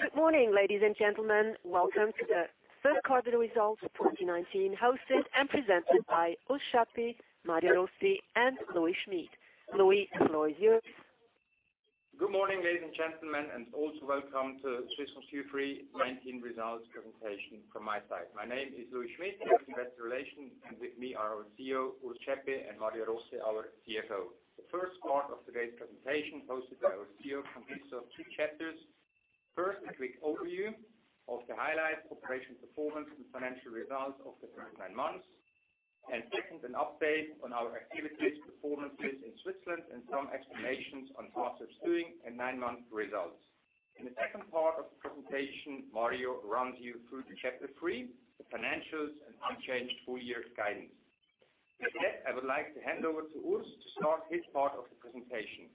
Good morning, ladies and gentlemen. Welcome to the third quarter results of 2019, hosted and presented by Urs Schaeppi, Mario Rossi, and Louis Schmid. Louis, the floor is yours. Good morning, ladies and gentlemen, and also welcome to Swisscom's Q3 2019 results presentation from my side. My name is Louis Schmid, investor relations, and with me are our CEO, Urs Schaeppi, and Mario Rossi, our CFO. The first part of today's presentation, hosted by our CEO, consists of two chapters. First, a quick overview of the highlights, operational performance, and financial results of the first nine months. Second, an update on our activities, performances in Switzerland, and some explanations on Fastweb's doing a nine-month results. In the second part of the presentation, Mario runs you through the chapter 3, the financials and unchanged full-year guidance. With that, I would like to hand over to Urs to start his part of the presentation.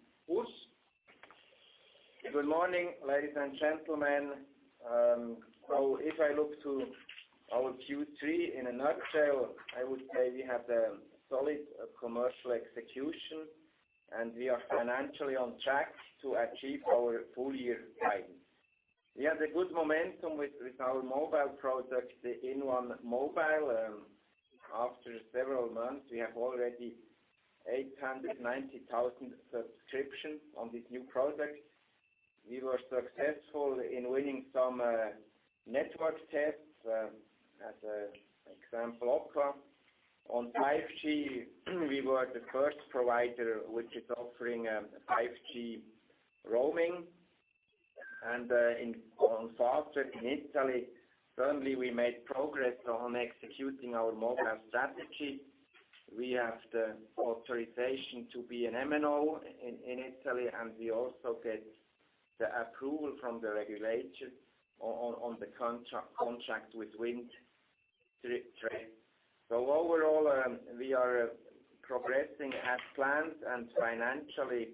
Urs? Good morning, ladies and gentlemen. If I look to our Q3 in a nutshell, I would say we have a solid commercial execution, and we are financially on track to achieve our full-year guidance. We have a good momentum with our mobile product, the inOne Mobile. After several months, we have already 890,000 subscriptions on this new product. We were successful in winning some network tests, as an example, Ookla. On 5G, we were the first provider which is offering 5G roaming. On Fastweb in Italy, certainly we made progress on executing our mobile strategy. We have the authorization to be an MNO in Italy, and we also get the approval from the regulator on the contract with Wind Tre. Overall, we are progressing as planned and financially,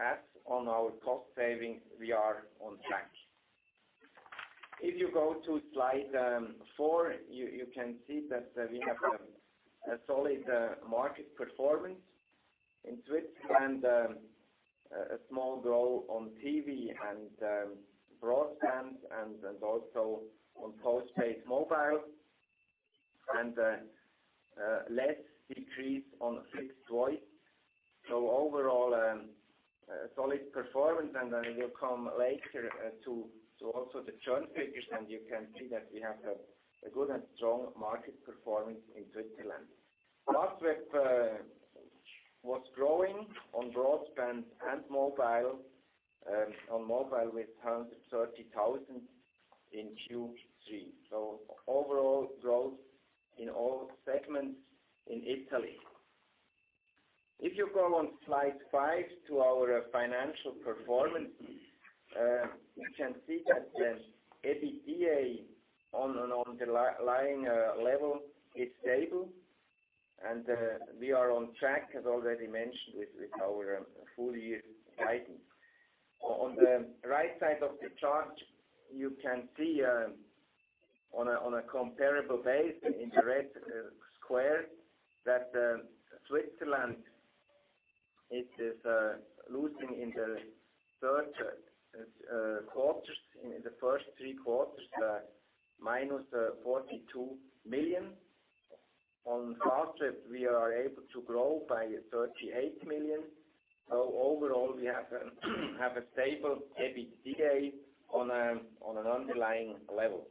as on our cost saving, we are on track. If you go to slide four, you can see that we have a solid market performance in Switzerland. A small growth on TV and broadband, and also on postpaid mobile. Less decrease on fixed voice. Overall, a solid performance. We will come later to also the churn figures. You can see that we have a good and strong market performance in Switzerland. Fastweb was growing on broadband and mobile. On mobile with 130,000 in Q3. Overall growth in all segments in Italy. If you go on slide five to our financial performance, you can see that the EBITDA on an underlying level is stable, and we are on track, as already mentioned, with our full-year guidance. On the right side of the chart, you can see on a comparable base in the red square that Switzerland is losing in the third quarters. In the first three quarters, -42 million. On Fastweb, we are able to grow by 38 million. Overall, we have a stable EBITDA on an underlying level.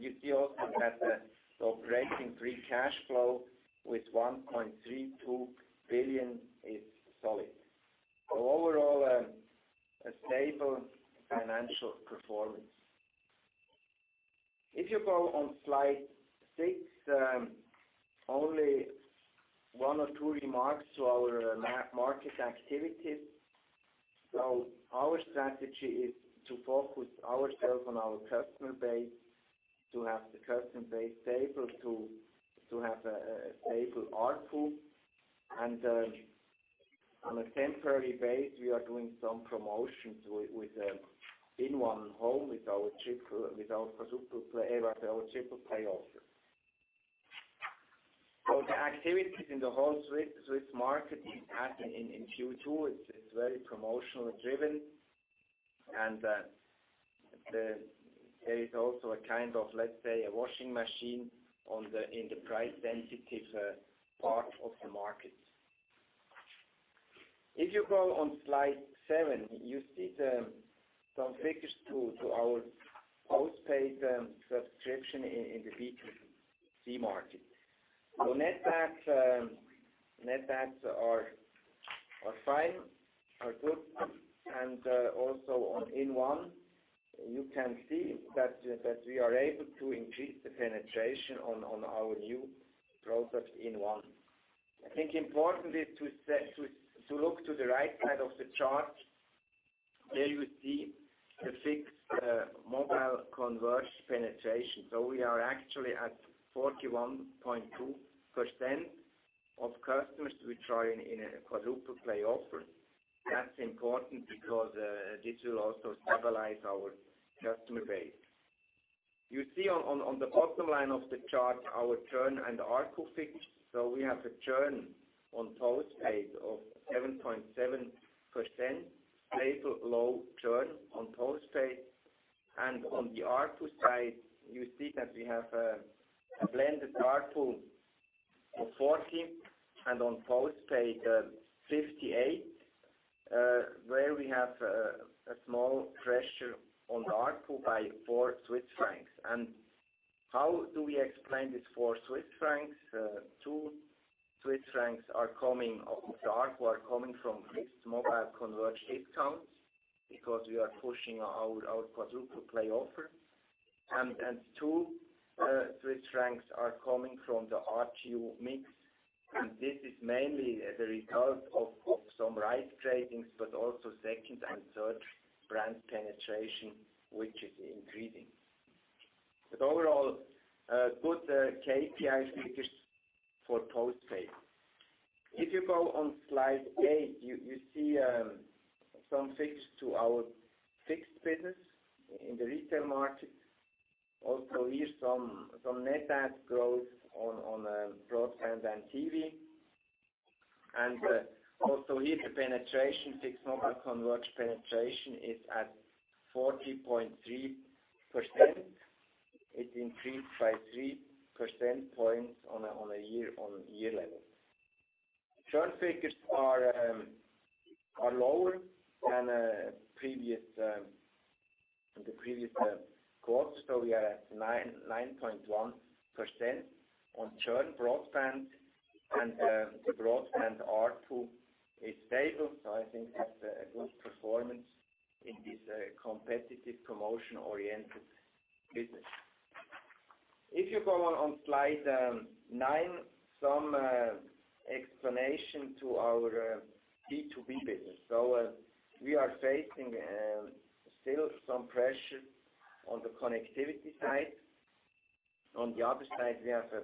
You see also that the operating free cash flow with 1.32 billion is solid. Overall, a stable financial performance. If you go on slide 6, only one or two remarks to our market activities. Our strategy is to focus ourselves on our customer base, to have the customer base stable, to have a stable ARPU. On a temporary base, we are doing some promotions with inOne Home, with our quadruple play offer. The activities in the whole Swiss market had in Q2, it's very promotionally driven. There is also a kind of, let's say, a washing machine in the price-sensitive part of the market. If you go on slide seven, you see some figures to our postpaid subscription in the B2C market. Net adds are fine, are good. Also on inOne, you can see that we are able to increase the penetration on our new product inOne. I think important is to look to the right side of the chart. There you see the fixed mobile converge penetration. We are actually at 41.2% of customers we try in a quadruple play offer. That's important because this will also stabilize our customer base. You see on the bottom line of the chart, our churn and ARPU figures. We have a churn on postpaid of 7.7%, stable low churn on postpaid. On the ARPU side, you see that we have a blended ARPU of 40, and on postpaid, 58, where we have a small pressure on ARPU by 4 Swiss francs. How do we explain this 4 Swiss francs? 2 Swiss francs of the ARPU are coming from fixed mobile converge discounts, because we are pushing our quadruple play offer. 2 Swiss francs are coming from the RGU mix. This is mainly the result of some right-gradings, but also second and third brand penetration, which is increasing. Overall, good KPI figures for postpaid. If you go on slide eight, you see some figures to our fixed business in the retail market. Also here some net add growth on broadband and TV. Also here the penetration, fixed mobile converge penetration is at 40.3%. It increased by 3 percentage points on a year-on-year level. Churn figures are lower than the previous quarter. We are at 9.1% on churn. Broadband and the broadband ARPU is stable. I think that's a good performance in this competitive promotion-oriented business. If you go on slide nine, some explanation to our B2B business. We are facing still some pressure on the connectivity side. On the other side, we have a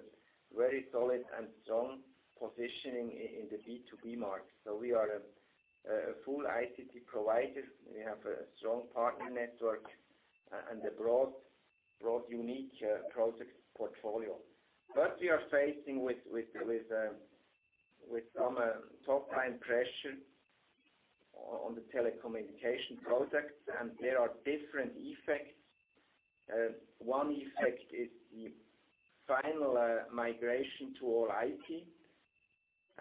very solid and strong positioning in the B2B market. We are a full ICT provider. We have a strong partner network and a broad, unique product portfolio. We are facing with some top-line pressure on the telecommunication products, and there are different effects. One effect is the final migration to All IP,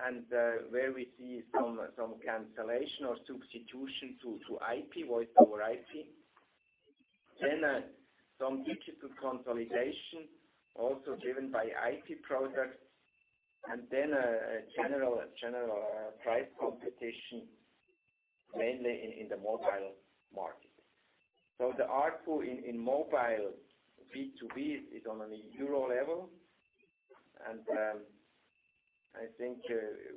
and where we see some cancellation or substitution to IP, Voice over IP. Some digital consolidation, also driven by IT products, and then a general price competition mainly in the mobile market. The ARPU in mobile B2B is on an EUR level. I think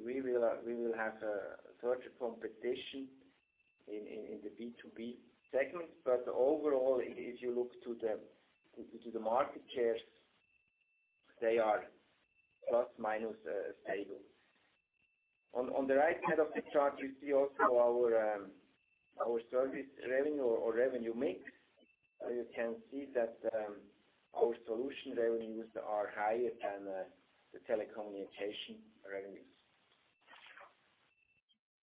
we will have a fierce competition in the B2B segment. Overall, if you look to the market shares, they are plus, minus stable. On the right side of the chart, we see also our service revenue or revenue mix. You can see that our solution revenues are higher than the telecommunication revenues.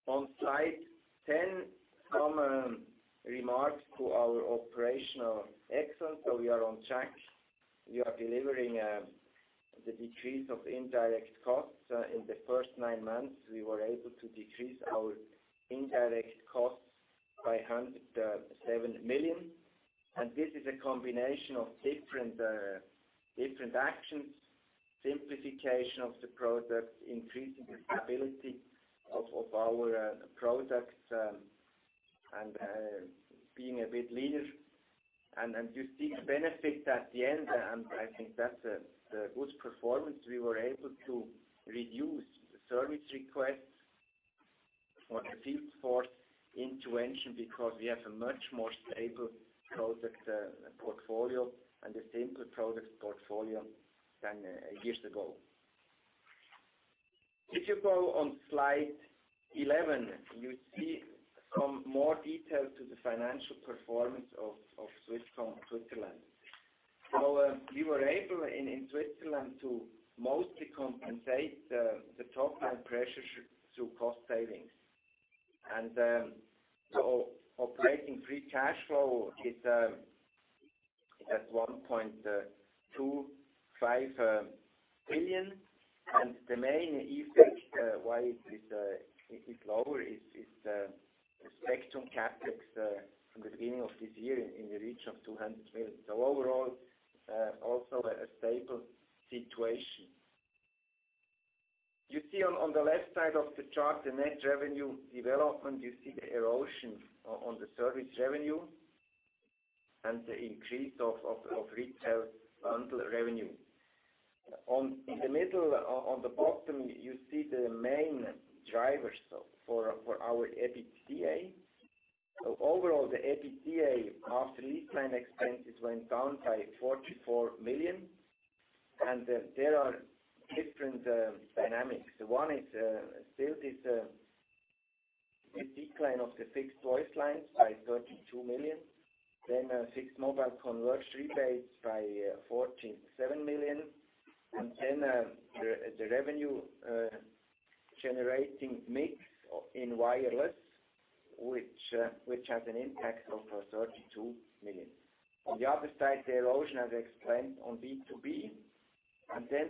On slide 10, some remarks to our operational excellence. We are on track. We are delivering the decrease of indirect costs. In the first nine months, we were able to decrease our indirect costs by 107 million. This is a combination of different actions: simplification of the product, increasing the stability of our products, and being a bit leaner. You see the benefit at the end, and I think that's a good performance. We were able to reduce the service requests for the field force intervention because we have a much more stable product portfolio and a simpler product portfolio than years ago. If you go on slide 11, you see some more detail to the financial performance of Swisscom Switzerland. We were able in Switzerland to mostly compensate the top-line pressure through cost savings. Operating free cash flow is at 1.25 billion. The main effect why it is lower is the spectrum CapEx from the beginning of this year in the region of 200 million. Overall, also a stable situation. You see on the left side of the chart, the net revenue development. You see the erosion on the service revenue and the increase of retail bundle revenue. In the middle, on the bottom, you see the main drivers for our EBITDA. Overall, the EBITDA after lease line expenses went down by 44 million. There are different dynamics. One is still the decline of the fixed voice lines by 32 million, fixed mobile converged rebates by 14.7 million, the revenue-generating mix in wireless, which has an impact of 32 million. On the other side, the erosion, as explained on B2B,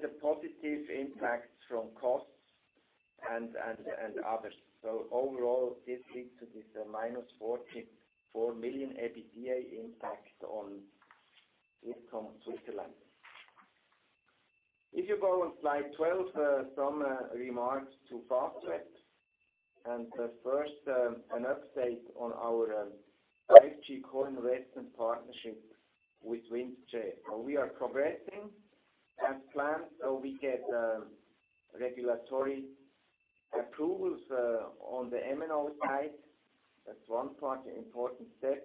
the positive impacts from costs and others. Overall, this leads to this minus 44 million EBITDA impact on Swisscom Switzerland. If you go on slide 12, some remarks to Fastweb. First, an update on our 5G co-investment partnership with Wind Tre. We are progressing as planned, we get regulatory approvals on the MNO side. That's one part, important step.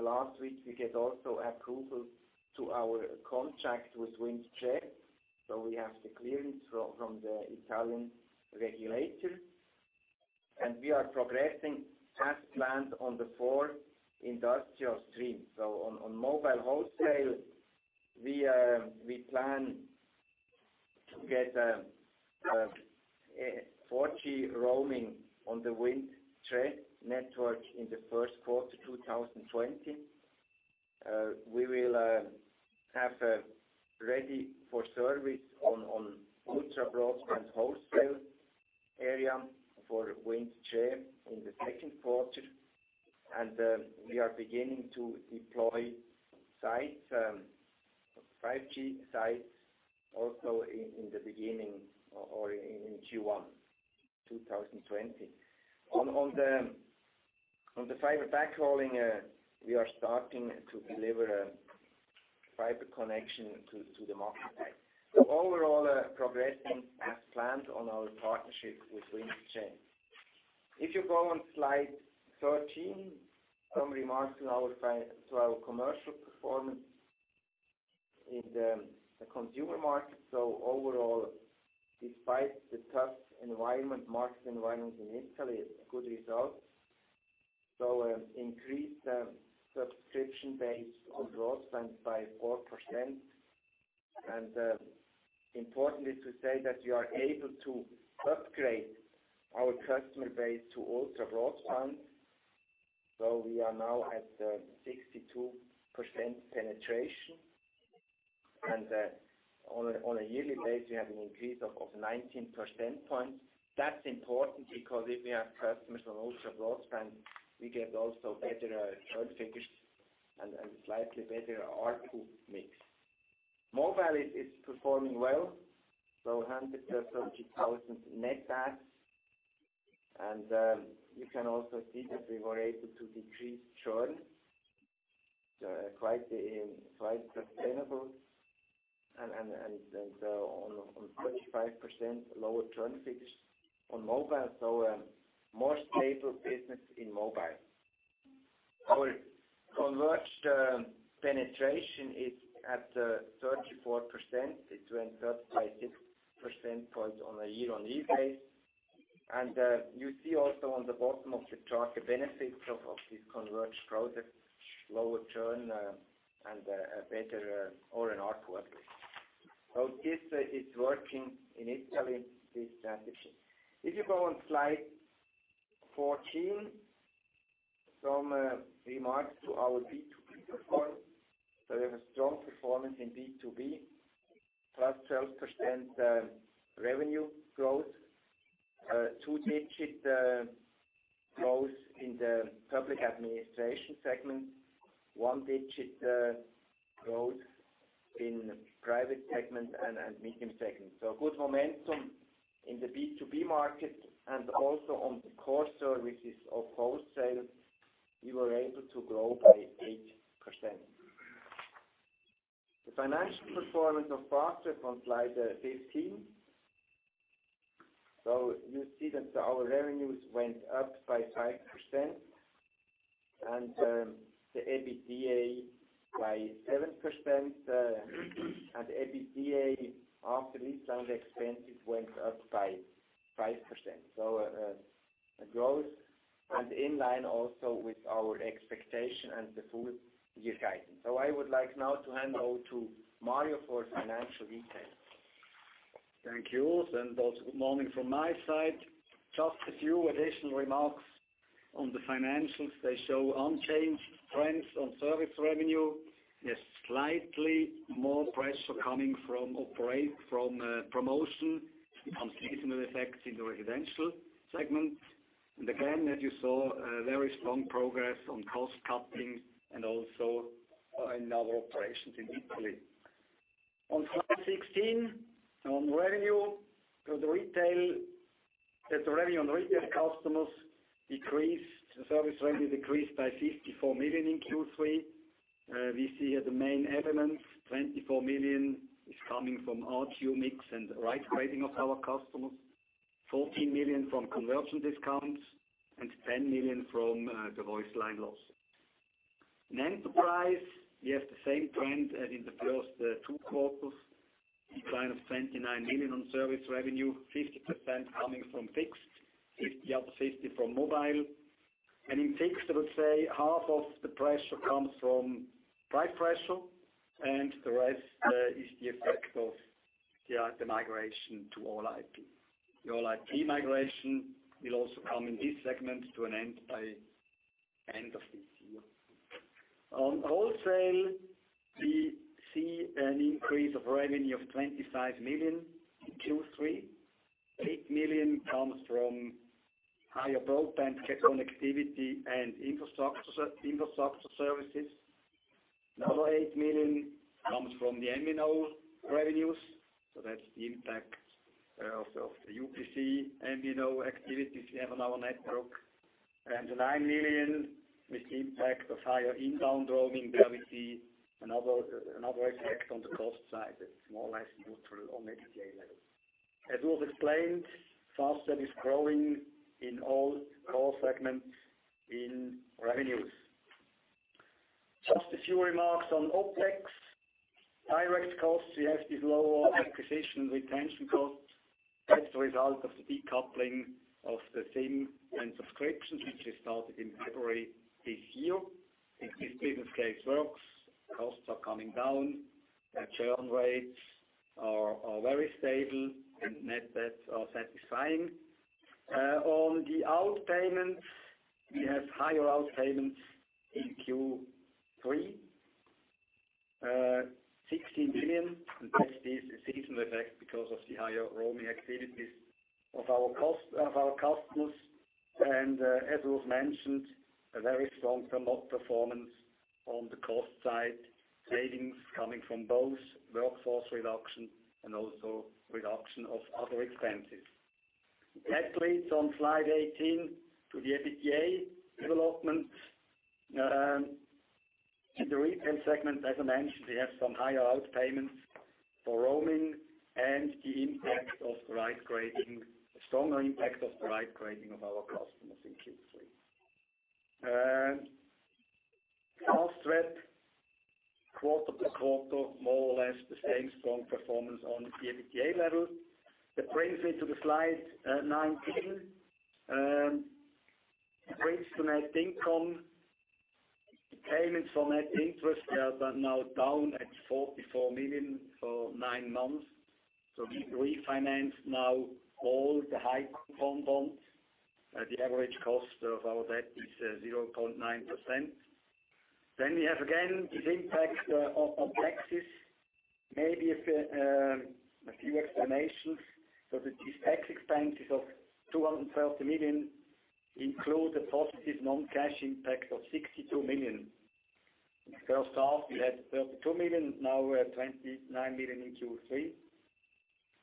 Last week, we get also approval to our contract with Wind Tre. We have the clearance from the Italian regulator. We are progressing as planned on the four industrial streams. On mobile wholesale, we plan to get 4G roaming on the Wind Tre network in the first quarter 2020. We will have ready for service on ultra-broadband wholesale area for Wind Tre in the second quarter. We are beginning to deploy 5G sites also in the beginning or in Q1 2020. On the fiber backhauling, we are starting to deliver a fiber connection to the marketplace. Overall, progressing as planned on our partnership with Wind Tre. If you go on slide 13, some remarks to our commercial performance in the consumer market. Overall, despite the tough market environment in Italy, it's a good result. Increased subscription base on broadband by 4%. Important is to say that we are able to upgrade our customer base to ultra-broadband. We are now at 62% penetration. On a yearly base, we have an increase of 19%. That's important because if we have customers on ultra-broadband, we get also better churn figures and slightly better ARPU mix. Mobile is performing well, so 130,000 net adds. You can also see that we were able to decrease churn quite sustainable, and on 35% lower churn figures on mobile, so a more stable business in mobile. Our converged penetration is at 34%. It went up by 6% on a year-on-year base. You see also on the bottom of the chart, the benefits of this converged product, lower churn, and a better ARPU. This is working in Italy, this transition. If you go on slide 14, some remarks to our B2B performance. We have a strong performance in B2B, +12% revenue growth. Two-digit growth in the public administration segment. One-digit growth in private segment and medium segment. Good momentum in the B2B market, and also on the core services of wholesale, we were able to grow by 8%. The financial performance of Fastweb on slide 15. You see that our revenues went up by 5%, and the EBITDA by 7%, and EBITDA after lease and expenses went up by 5%. A growth and in line also with our expectation and the full-year guidance. I would like now to hand over to Mario for financial retail. Thank you. Also good morning from my side. Just a few additional remarks on the financials. They show unchanged trends on service revenue. There is slightly more pressure coming from promotion and seasonal effects in the residential segment. Again, as you saw, very strong progress on cost-cutting and also in our operations in Italy. On slide 16, on revenue. The revenue on retail customers decreased. The service revenue decreased by 54 million in Q3. We see here the main elements, 24 million is coming from ARPU mix and right-grading of our customers, 14 million from conversion discounts, and 10 million from the voice line loss. In enterprise, we have the same trend as in the first two quarters. Decline of 29 million on service revenue, 50% coming from fixed, the other 50% from mobile. In fixed, I would say, half of the pressure comes from price pressure, and the rest is the effect of the migration to All IP. The All IP migration will also come in this segment to an end by end of this year. On wholesale, we see an increase of revenue of 25 million in Q3. 8 million comes from higher broadband connectivity and infrastructure services. Another 8 million comes from the MVNO revenues. That's the impact of the UPC MVNO activities we have on our network. The 9 million is the impact of higher inbound roaming, where we see another effect on the cost side that's more or less neutral on EBITDA level. Was explained, Fastweb is growing in all core segments in revenues. A few remarks on OpEx. Direct costs, we have these lower acquisition retention costs as a result of the decoupling of the SIM and subscriptions, which we started in February this year. If this business case works, costs are coming down, churn rates are very stable, and net adds are satisfying. On the outpayments, we have higher outpayments in Q3, 16 million, and that is a seasonal effect because of the higher roaming activities of our customers. As was mentioned, a very strong promote performance on the cost side. Savings coming from both: workforce reduction and also reduction of other expenses. That leads on slide 18 to the EBITDA development. In the retail segment, as I mentioned, we have some higher outpayments for roaming and the impact of the right-grading, a stronger impact of the right-grading of our customers in Q3. Fastweb, quarter to quarter, more or less the same strong performance on the EBITDA level. That brings me to the slide 19. Interest to net income. Payments on net interest are now down at 44 million for nine months. We refinanced now all the high coupon bonds. The average cost of our debt is 0.9%. We have, again, this impact of taxes. Maybe a few explanations. These tax expenses of 230 million include a positive non-cash impact of 62 million. In the first half, we had 32 million, now we have 29 million in Q3.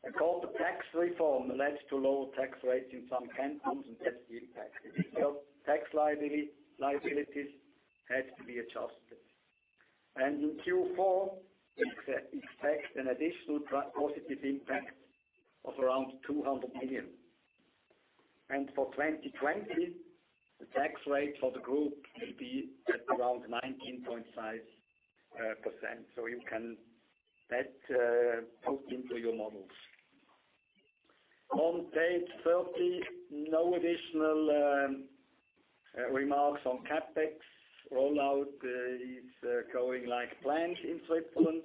Of course, the tax reform led to lower tax rates in some countries, and that's the impact. Tax liabilities had to be adjusted. In Q4, we expect an additional positive impact of around 200 million. For 2020, the tax rate for the group will be at around 19.5%. You can put that into your models. On page 30, no additional remarks on CapEx. Rollout is going like planned in Switzerland.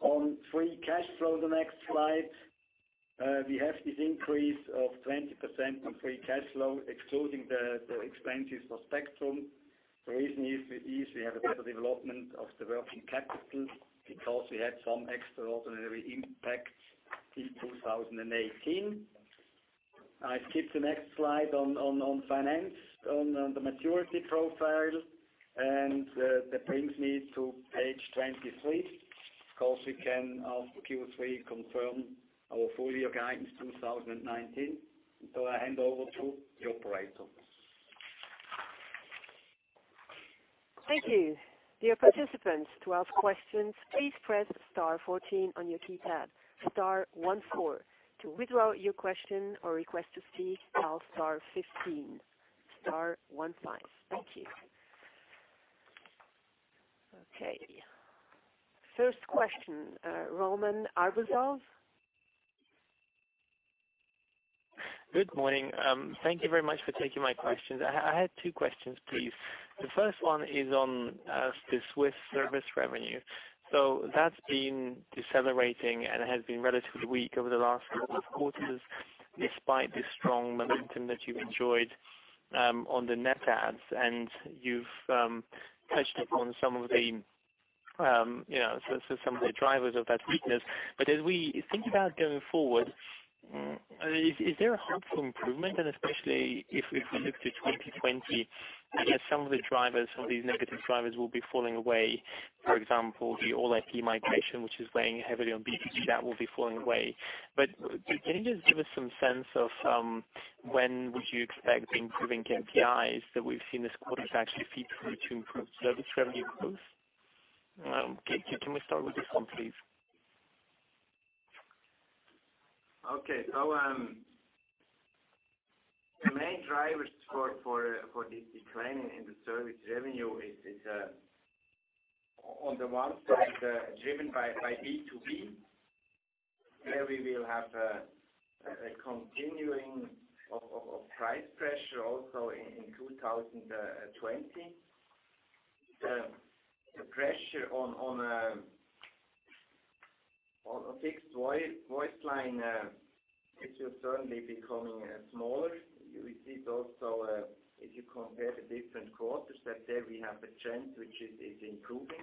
On free cash flow, the next slide. We have this increase of 20% on free cash flow, excluding the expenses for spectrum. The reason is we have a better development of the working capital because we had some extraordinary impacts in 2018. I skip the next slide on finance, on the maturity profile. That brings me to page 23. Of course, we can, as of Q3, confirm our full-year guidance 2019. I hand over to the operator. Thank you. Dear participants, to ask questions, please press star 14 on your keypad. star 14. To withdraw your question or request to speak, dial star 15. star 15. Thank you. First question, Roman Arbuzov? Good morning. Thank you very much for taking my questions. I had two questions, please. The first one is on the Swiss service revenue. That's been decelerating and has been relatively weak over the last couple of quarters, despite the strong momentum that you've enjoyed on the net adds. You've touched upon some of the drivers of that weakness. As we think about going forward, is there a hope for improvement? Especially if we look to 2020, I guess some of these negative drivers will be falling away. For example, the All-IP migration, which is weighing heavily on EBITDA, will be falling away. Can you just give us some sense of when would you expect the improving KPIs that we've seen this quarter to actually feed through to improved service revenue growth? Can we start with this one, please? Okay. The main drivers for this decline in the service revenue is, on the one side, is driven by B2B, where we will have a continuing of price pressure also in 2020. The pressure on a fixed voice line is certainly becoming smaller. You will see it also if you compare the different quarters, that there we have a trend which is improving.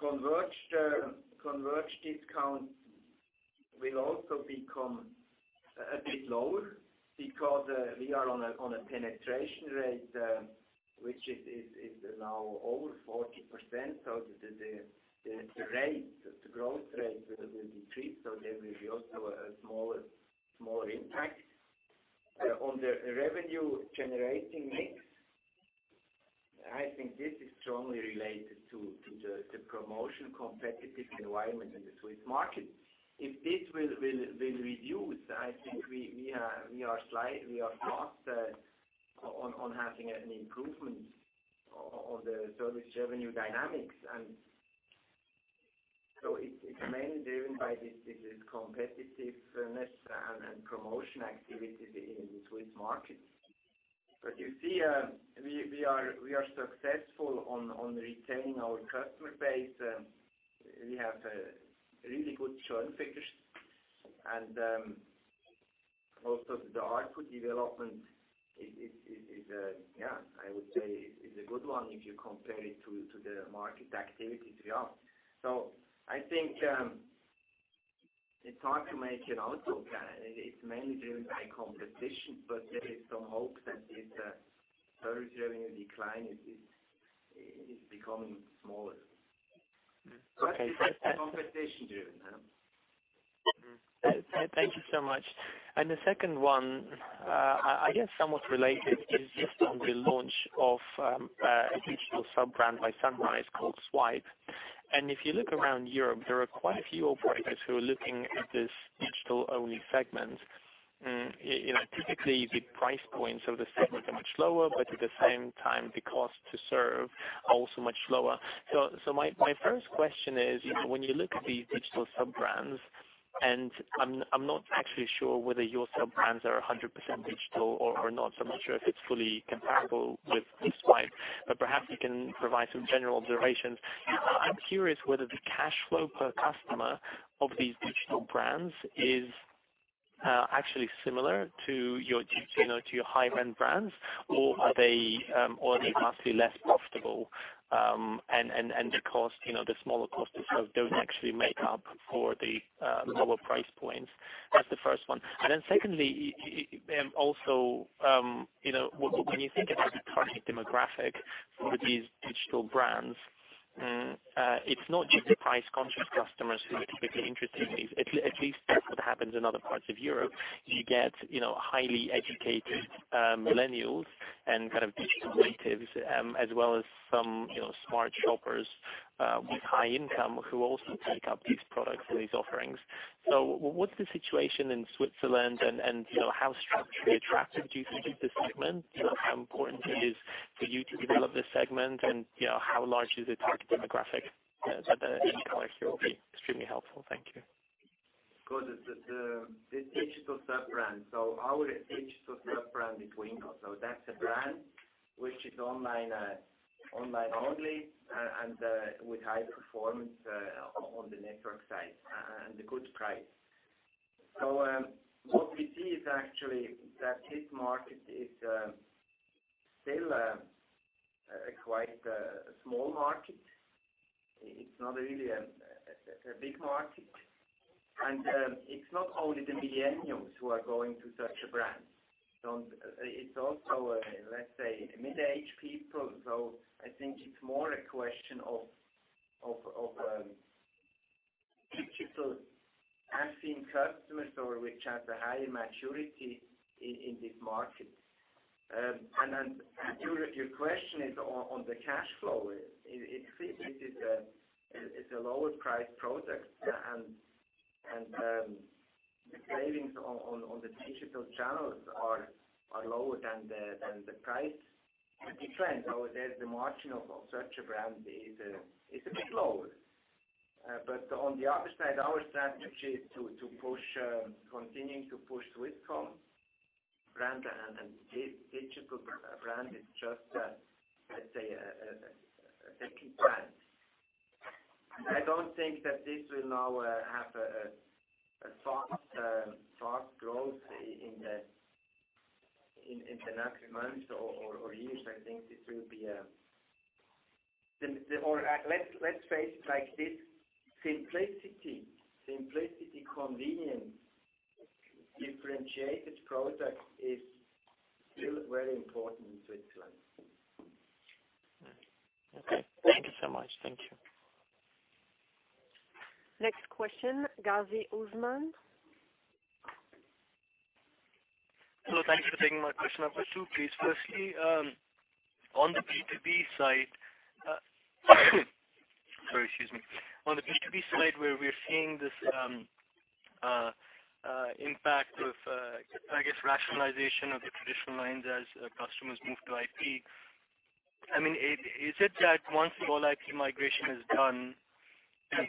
Converged discount will also become a bit lower because we are on a penetration rate which is now over 40%. The growth rate will decrease. There will be also a smaller impact. On the revenue-generating mix, I think this is strongly related to the promotion-competitive environment in the Swiss market. If this will reduce, I think we are fast on having an improvement on the service revenue dynamics. It's mainly driven by this competitiveness and promotion activity in the Swiss market. You see, we are successful on retaining our customer base. We have really good churn figures. Also the ARPU development is, I would say, is a good one if you compare it to the market activity throughout. I think it's hard to make an outlook. It's mainly driven by competition, but there is some hope that this service revenue decline is becoming smaller. Okay. Competition-driven. Thank you so much. The second one, I guess, somewhat related, is just on the launch of a digital sub-brand by Sunrise called Yallo. If you look around Europe, there are quite a few operators who are looking at this digital-only segment. Typically, the price points of the segment are much lower, but at the same time, the cost to serve are also much lower. My first question is, when you look at these digital sub-brands, and I'm not actually sure whether your sub-brands are 100% digital or not, so I'm not sure if it's fully comparable with Yallo, but perhaps you can provide some general observations. I'm curious whether the cash flow per customer of these digital brands is actually similar to your high-end brands or are they vastly less profitable? The smaller cost to serve don't actually make up for the lower price points. That's the first one. Secondly, also, when you think about the target demographic for these digital brands, it's not just the price-conscious customers who are typically interested in these. At least that's what happens in other parts of Europe. You get highly educated millennials and digital natives, as well as some smart shoppers with high income who also take up these products and these offerings. What's the situation in Switzerland and how structurally attractive do you think is this segment? How important it is for you to develop this segment and how large is the target demographic that any color here will be extremely helpful. Thank you. Good. The digital sub-brand. Our digital sub-brand is Wingo. That's a brand which is online-only, and with high performance on the network side and a good price. What we see is actually that this market is still quite a small market. It's not really a big market. It's not only the millennials who are going to such a brand. It's also, let's say, mid-age people. I think it's more a question of digital-affined customers or which have a higher maturity in this market. Your question is on the cash flow. It's a lowest-price product, and the savings on the digital channels are lower than the price trend. There the margin of such a brand is a bit lower. On the other side, our strategy is to continuing to push Swisscom brand, and digital brand is just, let's say, a key brand. I don't think that this will now have a fast growth in the next months or years. Let's face it like this: simplicity, convenience, differentiated product is still very important in Switzerland. Okay. Thank you so much. Thank you. Next question, Usman Ghazi. Thank you for taking my question. I've got two, please. Firstly, on the B2B side, where we're seeing this impact of, I guess, rationalization of the traditional lines as customers move to IP, is it that once All IP migration is done,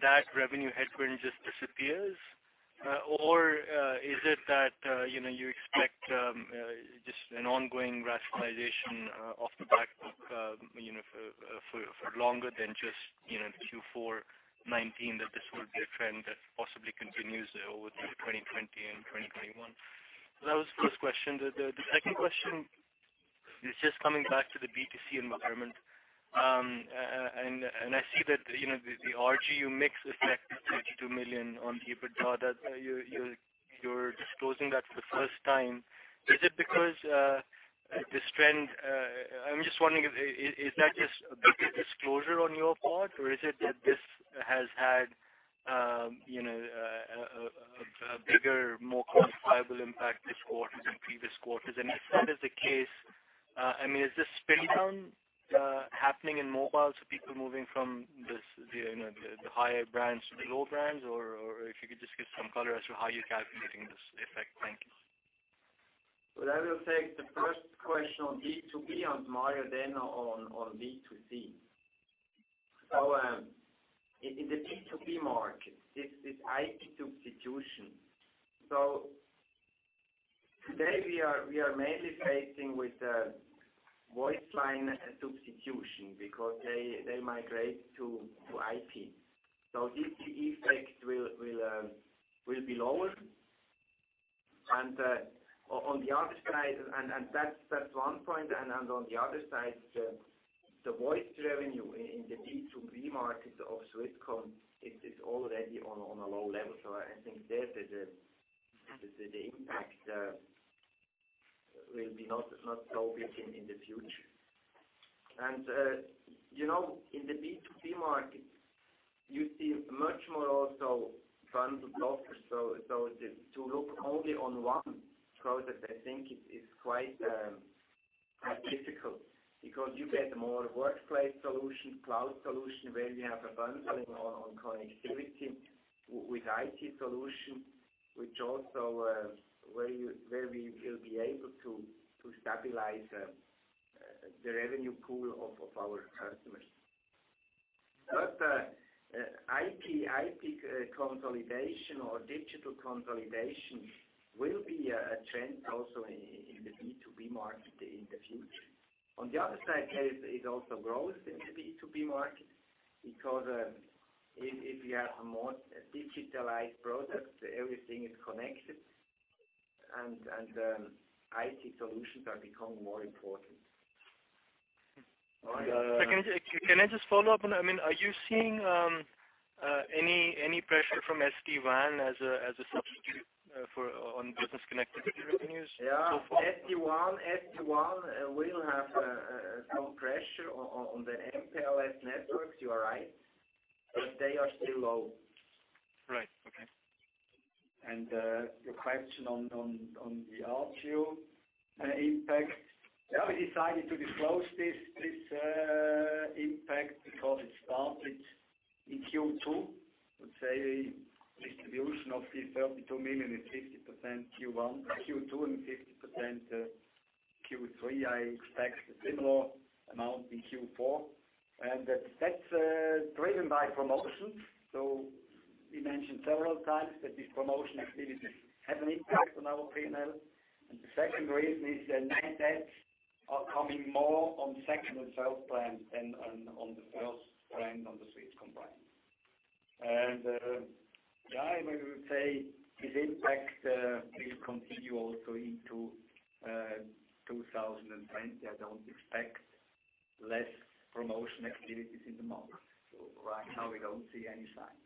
that revenue headroom just disappears? Is it that you expect just an ongoing rationalization of the back book for longer than just Q4 2019, that this will be a trend that possibly continues over to 2020 and 2021? That was the first question. The second question is just coming back to the B2C environment. I see that the RGU mix effect of 32 million on the EBITDA, that you're disclosing that for the first time. I'm just wondering, is that just a bigger disclosure on your part, or is it that this has had a bigger, more quantifiable impact this quarter than previous quarters? If that is the case, is this spin down happening in mobile, so people moving from the higher brands to the low brands? If you could just give some color as to how you're calculating this effect? Thank you. Well, I will take the first question on B2B and Mario then on B2C. In the B2B market, this IP substitution. Today, we are mainly facing with the voice line substitution because they migrate to IP. This effect will be lower. That's one point. On the other side, the voice revenue in the B2B market of Swisscom is already on a low level. I think there, the impact will be not so big in the future. In the B2C market, you see much more also bundled offers. To look only on one product, I think is quite difficult because you get more workplace solution, cloud solution, where we have a bundling on connectivity with IT solution, where we will be able to stabilize the revenue pool of our customers. IP consolidation or digital consolidation will be a trend also in the B2B market in the future. On the other side, there is also growth in the B2B market because if we have a more digitalized product, everything is connected, and IT solutions are becoming more important. Can I just follow up? Are you seeing any pressure from SD-WAN as a substitute on business connectivity revenues so far? Yeah. SD-WAN will have some pressure on the MPLS networks. You are right, but they are still low. Right. Okay. Your question on the RGU impact. Yeah, we decided to disclose this impact because it started in Q2. I would say distribution of the 32 million is 50% Q2, and 50% Q3. I expect a similar amount in Q4. That's driven by promotions. We mentioned several times that these promotion activities have an impact on our P&L. The second reason is the net adds are coming more on second and third brands than on the first brand on the Swisscom brand. I would say this impact will continue also into 2020. I don't expect less promotion activities in the market. Right now, we don't see any signs.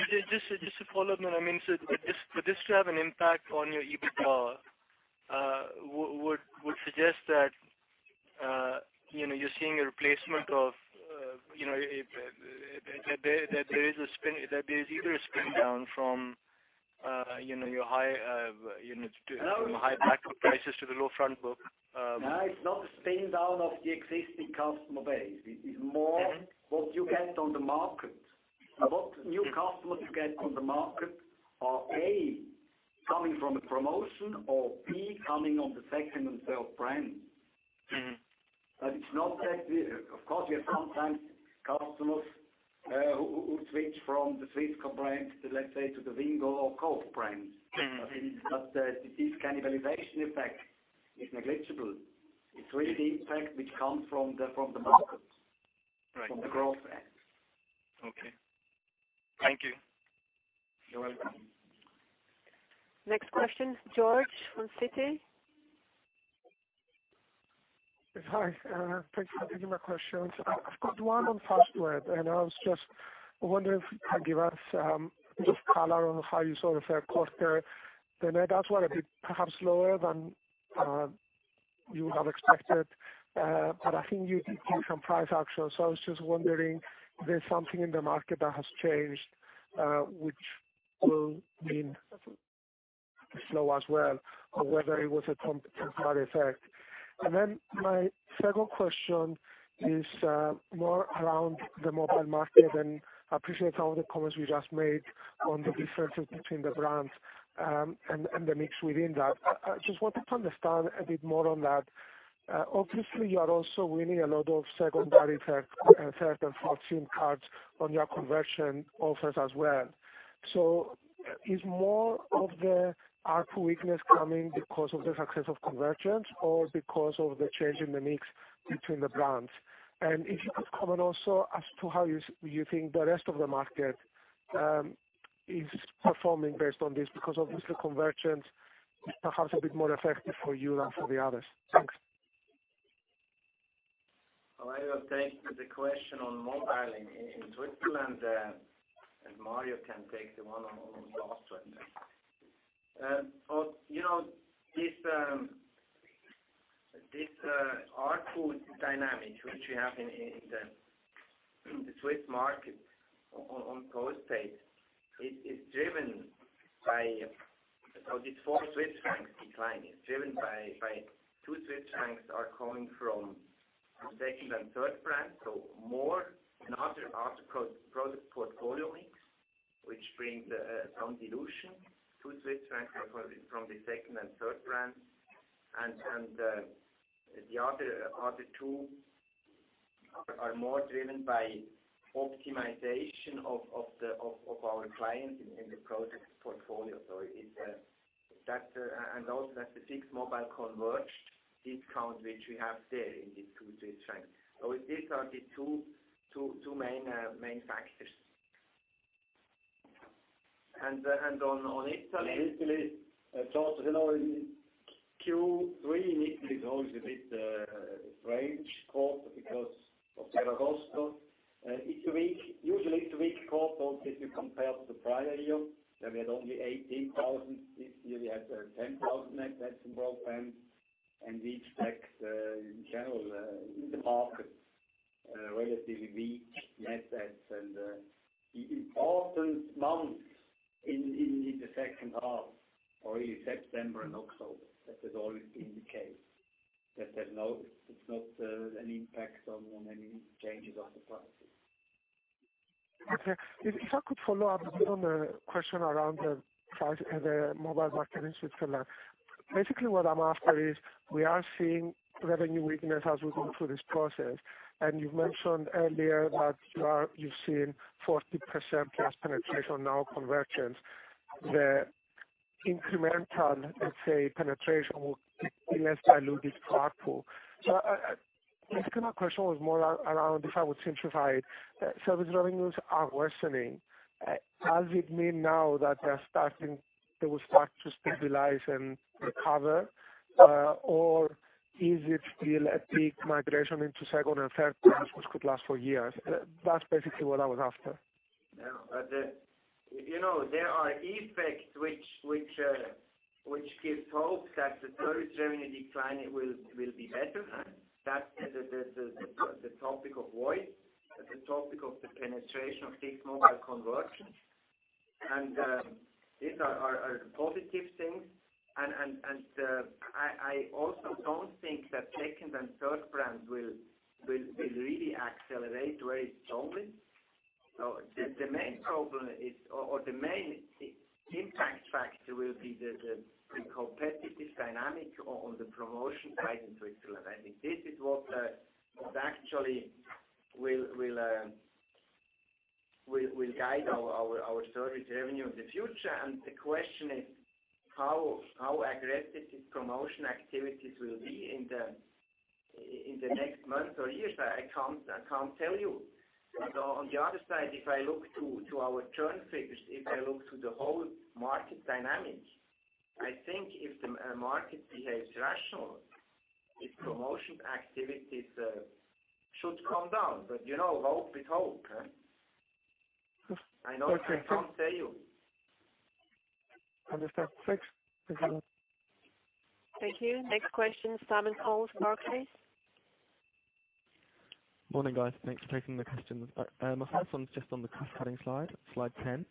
Just to follow up. For this to have an impact on your EBITDA, would suggest that you're seeing a replacement of That there is either a spin down from your high- No from high back book prices to the low front book. No, it's not a spin down of the existing customer base. It's more what you get on the market. What new customers you get on the market are, A, coming from a promotion or, B, coming on the second and third brand. Of course, we have sometimes customers who switch from the Swisscom brand to, let's say, the Wingo or Coop brands. This cannibalization effect is negligible. It's really the impact which comes from the market. Right. From the growth end. Okay. Thank you. You're welcome. Next question, George from Citi. Hi. Thanks for taking my questions. I've got one on Fastweb. I was just wondering if you could give us just color on how you saw the third quarter. The net adds were a bit perhaps lower than you would have expected. I think you did give some price action. I was just wondering if there's something in the market that has changed, which will mean slow as well, or whether it was a temporary effect. My second question is more around the mobile market. I appreciate all the comments you just made on the differences between the brands and the mix within that. I just wanted to understand a bit more on that. Obviously, you are also winning a lot of secondary, third, and fourth SIM cards on your convergence offers as well. Is more of the ARPU weakness coming because of the success of convergence or because of the change in the mix between the brands? If you could comment also as to how you think the rest of the market is performing based on this, because obviously convergence is perhaps a bit more effective for you than for the others? Thanks. I will take the question on mobile in Switzerland, and Mario can take the one on Fastweb. This ARPU dynamic, which we have in the Swiss market on Postpaid is driven by these CHF 4 decline. It's driven by 2 francs are coming from the second and third brand. Other product portfolio mix, which brings some dilution to CHF from the second and third brand. The other two are more driven by optimization of our clients in the product portfolio. It's that. Also that the fixed mobile converged discount, which we have there in the 2. These are the two main factors. On Italy. In Italy, George, hello. In Q3 in Italy is always a bit strange quarter because of the Ferragosto. Usually it's a weak quarter also if you compare to the prior year. We had only 18,000. This year we had 10,000 net adds in broadband. We expect in general, in the market, relatively weak net adds. The important months in the second half are really September and October. That has always been the case. It's not an impact on any changes of the prices. Okay. If I could follow up a bit on the question around the mobile market in Switzerland. Basically, what I am after is we are seeing revenue weakness as we go through this process. You've mentioned earlier that you've seen 40% plus penetration now on convergence. The incremental, let's say, penetration will be less diluted ARPU. My second question was more around if I would simplify. Service revenues are worsening. Does it mean now that they will start to stabilize and recover? Is it still a big migration into second and third brands which could last for years? That's basically what I was after. Yeah. There are effects which give hope that the service revenue decline will be better. That's the topic of voice, the topic of the penetration of fixed mobile convergence. These are positive things. I also don't think that second and third brands will really accelerate rates only. The main problem is, or the main impact factor will be the competitive dynamic on the promotion side in Switzerland. I think this is what actually will guide our service revenue in the future. The question is how aggressive these promotion activities will be in the next months or years? I can't tell you. On the other side, if I look to our churn figures, if I look to the whole market dynamics, I think if the market behaves rational, if promotion activities should come down. Hope is hope. I know. Okay. I can't tell you. Understood. Thanks. Thank you. Next question, Simon Coles, Barclays. Morning, guys. Thanks for taking the questions. My first one's just on the cost-cutting slide 10.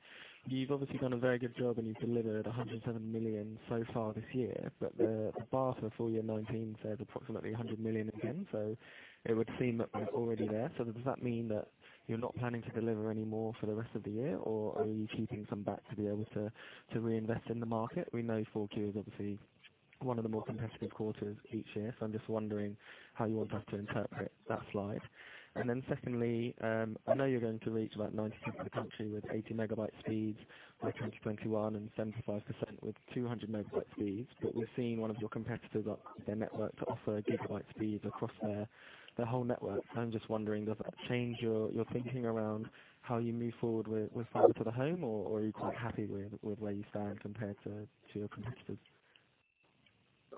You've obviously done a very good job, and you've delivered 107 million so far this year, the bar for full year 2019 says approximately 100 million again. It would seem that we're already there. Does that mean that you're not planning to deliver any more for the rest of the year, are you keeping some back to be able to reinvest in the market? We know Q4 is obviously one of the more competitive quarters each year. I'm just wondering how you want us to interpret that slide. Secondly, I know you're going to reach about 90% of the country with 80 megabyte speeds by 2021 and 75% with 200 megabyte speeds. We're seeing one of your competitors up their network to offer gigabyte speeds across their whole network. I'm just wondering, does that change your thinking around how you move forward with Fiber to the home, or are you quite happy with where you stand compared to your competitors?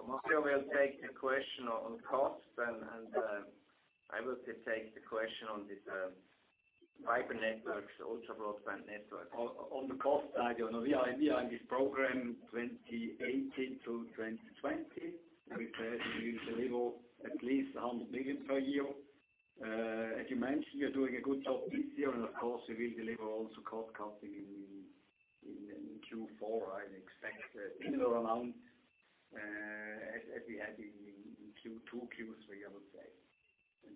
Mario will take the question on cost and I will take the question on this fiber networks, ultra broadband networks. On the cost side, we are in this program 2018 to 2020. We said we will deliver at least 100 million per year. As you mentioned, we are doing a good job this year, of course, we will deliver also cost-cutting in Q4. I expect a similar amount as we had in Q2, Q3, I would say.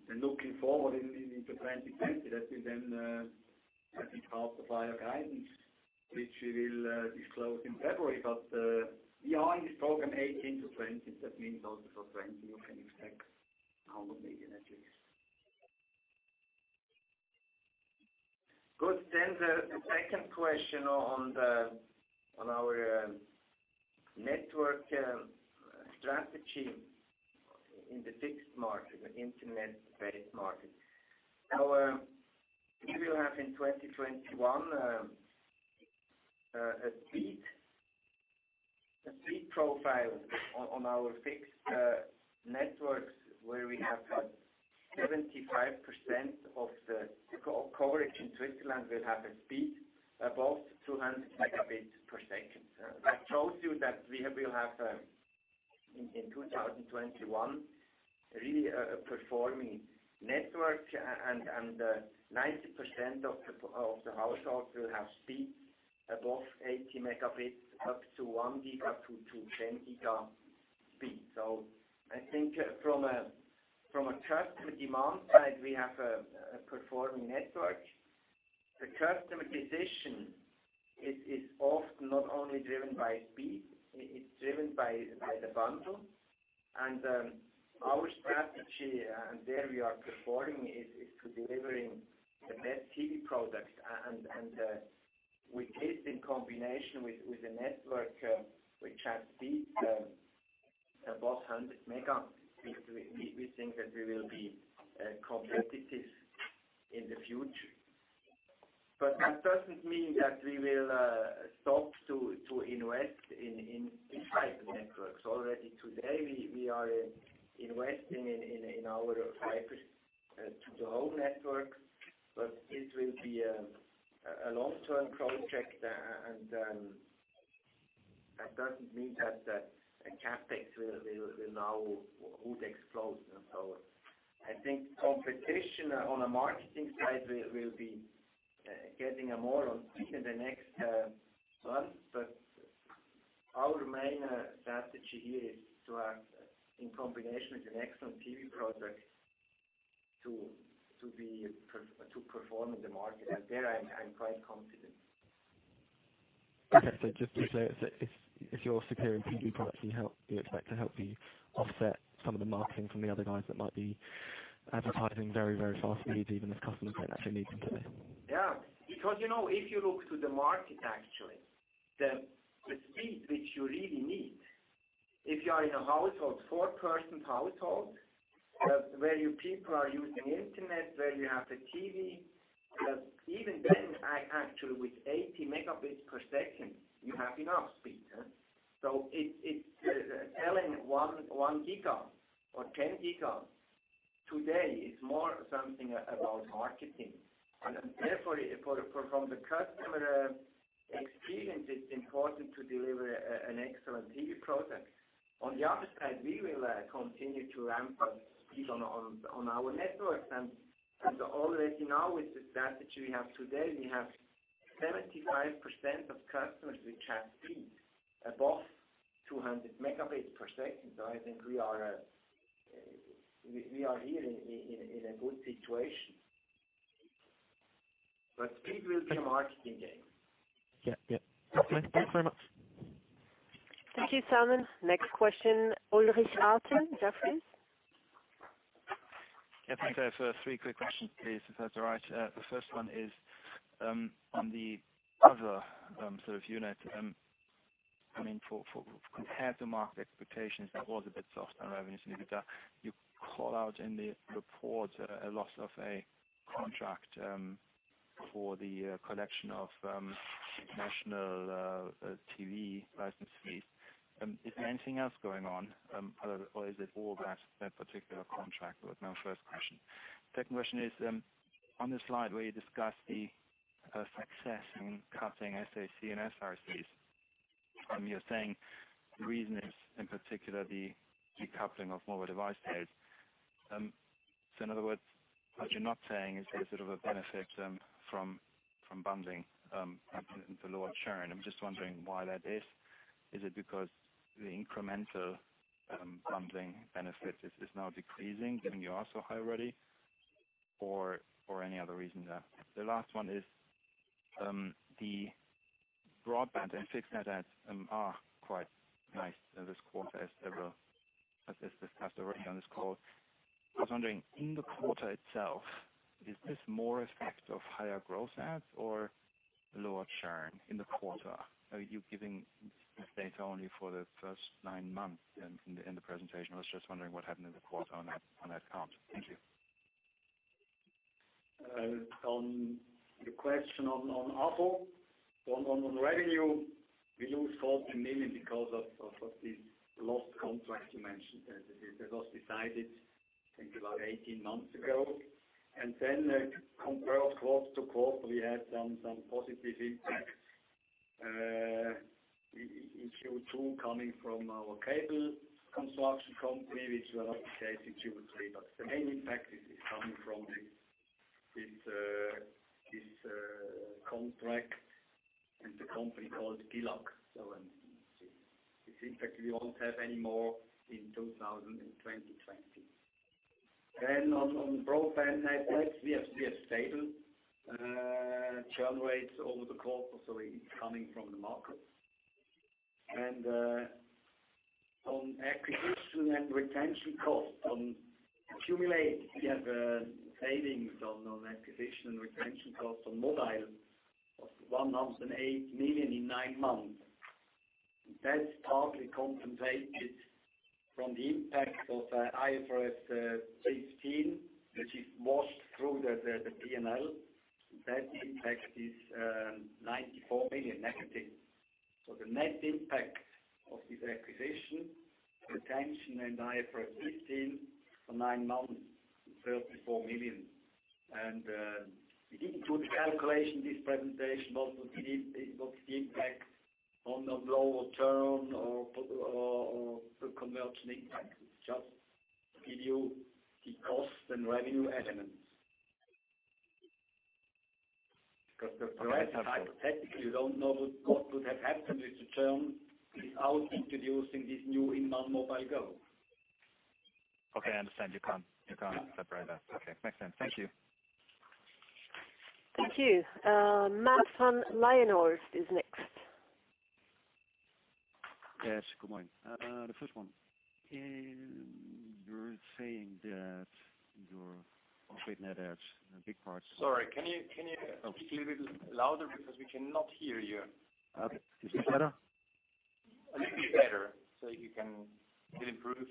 Looking forward into 2020, that will then be part of our guidance, which we will disclose in February. We are in this program 2018 to 2020, that means also for 2020, you can expect CHF 100 million at least. Good. The second question on our network strategy in the fixed market, the internet-based market. We will have in 2021, a speed profile on our fixed networks where we have got 75% of the coverage in Switzerland will have a speed above 200 megabits per second. That shows you that we will have, in 2021, really a performing network, and 90% of the households will have speed above 80 megabits up to 1 giga to 10 giga speed. I think from a customer demand side, we have a performing network. The customer decision is often not only driven by speed, it's driven by the bundle. Our strategy, and there we are performing, is to delivering the best TV products. We did in combination with the network, which has speed above 100 mega, because we think that we will be competitive in the future. That doesn't mean that we will stop to invest in these fiber networks. Already today, we are investing in our Fiber to the home network, but it will be a long-term project, and that doesn't mean that the CapEx would explode. I think competition on a marketing side will be getting more on speed in the next months. Our main strategy here is to have, in combination with an excellent TV product, to perform in the market. There I am quite confident. Okay. Just to say, if your superior TV products you expect to help you offset some of the marketing from the other guys that might be advertising very, very fast speeds even if customers don't actually need them really? Yeah. If you look to the market actually, the speed which you really need, if you are in a four-person household where you people are using internet, where you have the TV, even then actually with 80 megabits per second, you have enough speed, huh? It's selling 1 giga or 10 giga today is more something about marketing. Therefore, from the customer experience, it's important to deliver an excellent TV product. On the other side, we will continue to ramp up speed on our networks. Already now with the strategy we have today, we have 75% of customers which have speed above 200 megabits per second. I think we are here in a good situation. Speed will be a marketing game. Yeah. Thanks very much. Thank you, Simon. Next question, Ulrich Rathe, Jefferies. Yeah, thanks. I have three quick questions, please, if that's all right. The first one is, on the other sort of unit, compared to market expectations, that was a bit soft on revenues in the quarter. You call out in the report a loss of a contract for the collection of national TV license fees. Is there anything else going on or is it all that particular contract? That was my first question. Second question is, on the slide where you discuss the success in cutting SAC and SRCs, you're saying the reason is in particular the decoupling of mobile device payers. In other words, what you're not saying is there a sort of a benefit from bundling and the lower churn. I'm just wondering why that is. Is it because the incremental bundling benefit is now decreasing, given you are so high already? Any other reason there? The last one is the broadband and fixed net adds are quite nice this quarter as they were, as discussed already on this call. I was wondering, in the quarter itself, is this more effect of higher gross adds or lower churn in the quarter? Are you giving this data only for the first nine months in the presentation? I was just wondering what happened in the quarter on that count. Thank you. On the question on ARPU, on revenue, we lose 40 million because of this lost contract you mentioned. That was decided, I think, about 18 months ago. Compared quarter-to-quarter, we had some positive impact in Q2 coming from our cable construction company, which will also stay in Q3. The main impact is coming from this contract and the company called Billag. This impact we won't have any more in 2020. On broadband net adds, we are stable. Churn rates over the quarter, so it's coming from the market. On acquisition and retention costs, on accumulate, we have savings on acquisition and retention costs on mobile of 108 million in nine months. That's partly compensated from the impact of IFRS 16, which is washed through the P&L. That impact is 94 million negative. The net impact of this acquisition, retention, and IFRS 15 for nine months is CHF 34 million. We didn't put calculation this presentation, what the impact on the lower churn or the conversion impact. It's just to give you the cost and revenue elements. Because- That's hypothetically. We don't know what would have happened with the churn without introducing this new inOne mobile go. Okay, I understand. You can't separate that. Okay. Makes sense. Thank you. Thank you. Martijn den Drijver is next. Yes, good morning. The first one. You are saying that your operating net adds in big parts. Sorry, can you speak little bit louder because we cannot hear you? Is this better? A little bit better. If you can improve.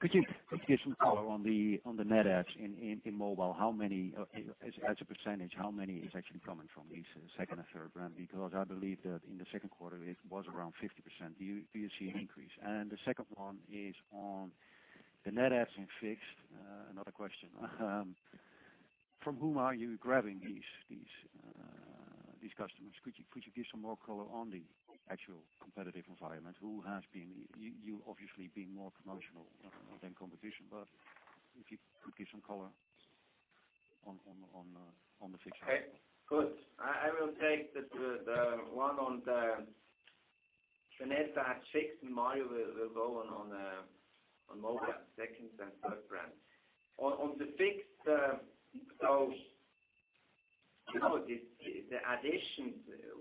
Could you give some color on the net adds in mobile? As a percentage, how many is actually coming from these second and third brand? Because I believe that in the second quarter it was around 50%. Do you see an increase? The second one is on the net adds in fixed. Another question. From whom are you grabbing these customers? Could you give some more color on the actual competitive environment? You obviously being more promotional than competition, but if you could give some color on the fixed. Okay. Good. I will take the one on the net add fixed and Mario will go on mobile second and third brand. On the fixed, the additions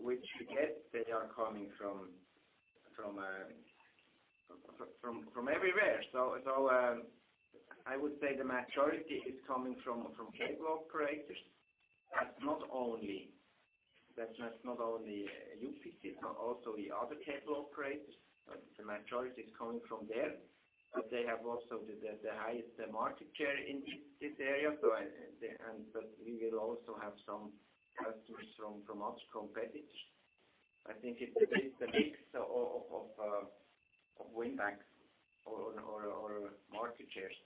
which we get, they are coming from everywhere. I would say the majority is coming from cable operators, but not only UPC, but also the other cable operators. The majority is coming from there, but they have also the highest market share in this area. We will also have some customers from other competitors. I think it is the mix of win-backs or market shares.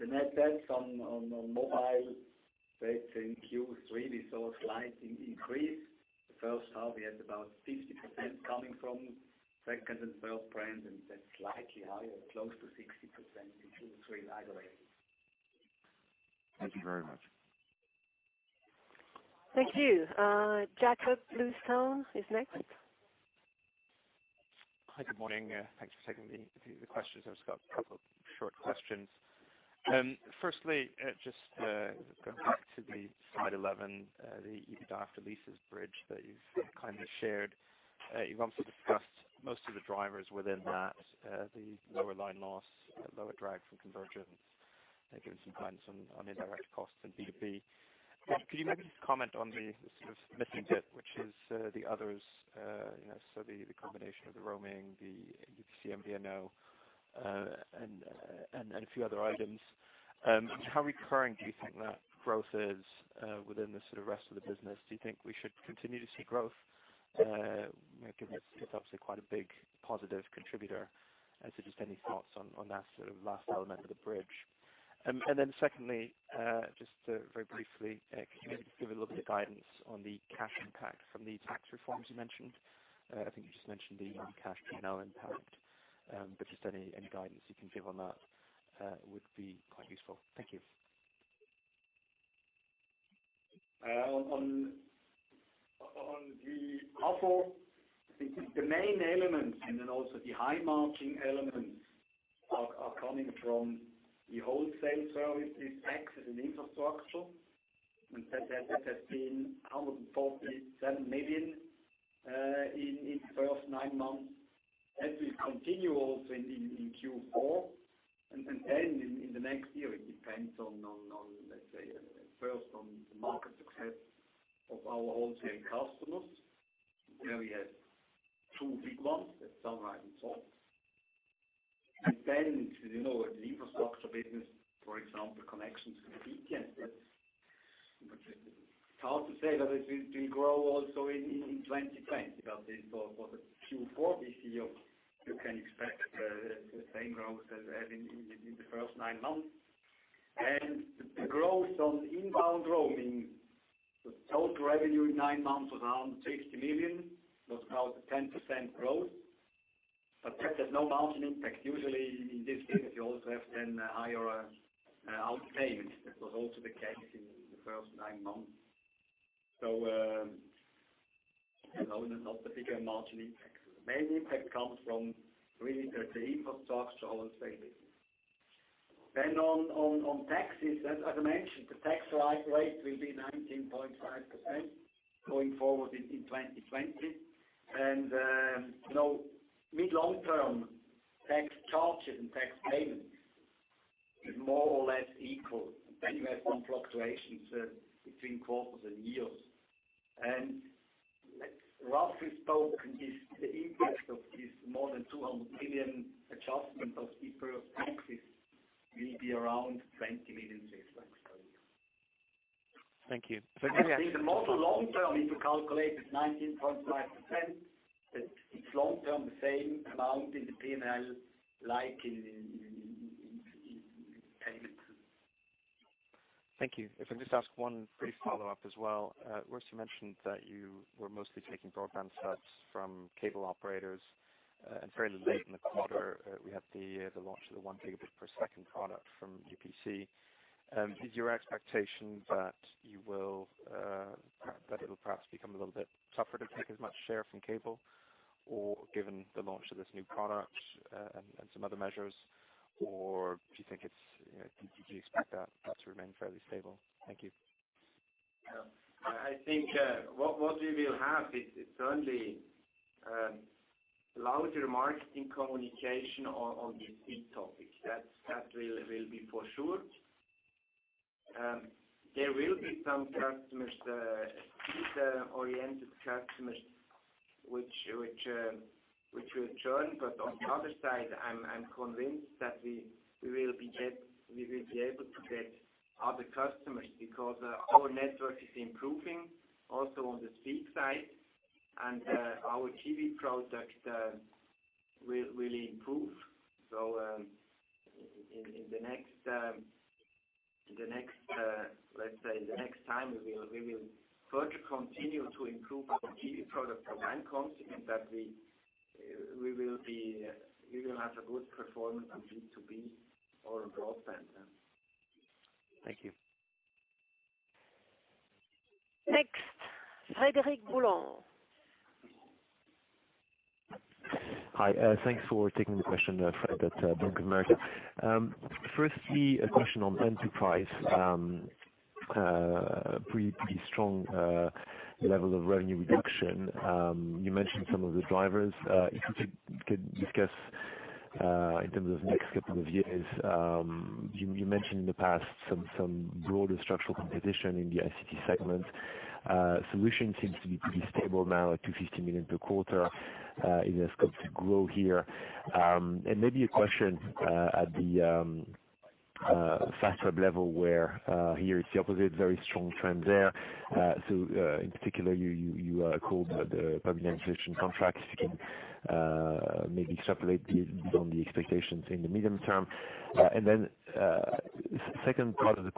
The net adds on mobile, let's say in Q3, we saw a slight increase. The first half, we had about 50% coming from second and third brand, and that's slightly higher, close to 60% in Q3. Either way. Thank you very much. Thank you. Jakob Bluestone is next. Hi, good morning. Thanks for taking the questions. I've just got a couple short questions. Just going back to slide 11, the EBITDA after leases bridge that you've kindly shared. You've also discussed most of the drivers within that: the lower line loss, lower drag from convergence, and given some guidance on indirect costs and B2B. Could you maybe just comment on the sort of missing bit, which is the others, so the combination of the roaming, the UPC MVNO, and a few other items. How recurring do you think that growth is within the sort of rest of the business? Do you think we should continue to see growth? Given it's obviously quite a big positive contributor. Just any thoughts on that sort of last element of the bridge. Secondly, just very briefly, can you maybe give a little bit of guidance on the cash impact from the tax reforms you mentioned? I think you just mentioned the cash P&L impact. Just any guidance you can give on that would be quite useful. Thank you. On the ARPU, the main elements and then also the high-margin elements are coming from the wholesale services, access, and infrastructure. That has been 147 million in the first nine months. That will continue also in Q4 and in the next year. It depends on, let's say, first, on the market success of our wholesale customers. There we have two big ones: Sunrise and Salt. The infrastructure business, for example, connections to the VPN. It's hard to say that it will grow also in 2020. For the Q4 this year, you can expect the same growth as in the first nine months. The growth on inbound roaming, the total revenue in nine months was around 60 million. It was about a 10% growth, but that has no margin impact. Usually, in this business, you also have then higher outpayments. That was also the case in the first nine months. There's not a bigger margin impact. The main impact comes from really the infrastructure or Salt business. On taxes, as I mentioned, the tax rate will be 19.5% going forward in 2020. Mid-long term, tax charges and tax payments is more or less equal. You have some fluctuations between quarters and years. Roughly spoken, the impact of this more than 200 million adjustment of deferred taxes will be around 20 million per year. Thank you. Give me- I think the model long term, if you calculate it 19.5%, it's long term, the same amount in the P&L like in payments. Thank you. If I could just ask one brief follow-up as well. Urs, you mentioned that you were mostly taking broadband Subs from cable operators. Fairly late in the quarter, we had the launch of the one gigabit per second product from UPC. Is your expectation that it'll perhaps become a little bit tougher to take as much share from cable? Given the launch of this new product and some other measures, or do you expect that to remain fairly stable? Thank you. I think what we will have is only louder marketing communication on the speed topic. That will be for sure. There will be some speed-oriented customers which will churn. On the other side, I'm convinced that we will be able to get other customers because our network is improving also on the speed side, and our TV product will improve. Let's say in the next time, we will further continue to improve our TV product for end customers, and that we will have a good performance on B2B or on broadband. Thank you. Next, Frederic Boulan. Hi. Thanks for taking the question. Fred at Bank of America. Firstly, a question on Enterprise. Pretty strong level of revenue reduction. You mentioned some of the drivers. If you could discuss in terms of next couple of years. You mentioned in the past some broader structural competition in the ICT segment. Solution seems to be pretty stable now at 250 million per quarter. Is there scope to grow here? Maybe a question at the Fastweb level where here it's the opposite, very strong trend there. In particular, you called the public administration contracts. If you can maybe extrapolate these beyond the expectations in the medium term. Then, second question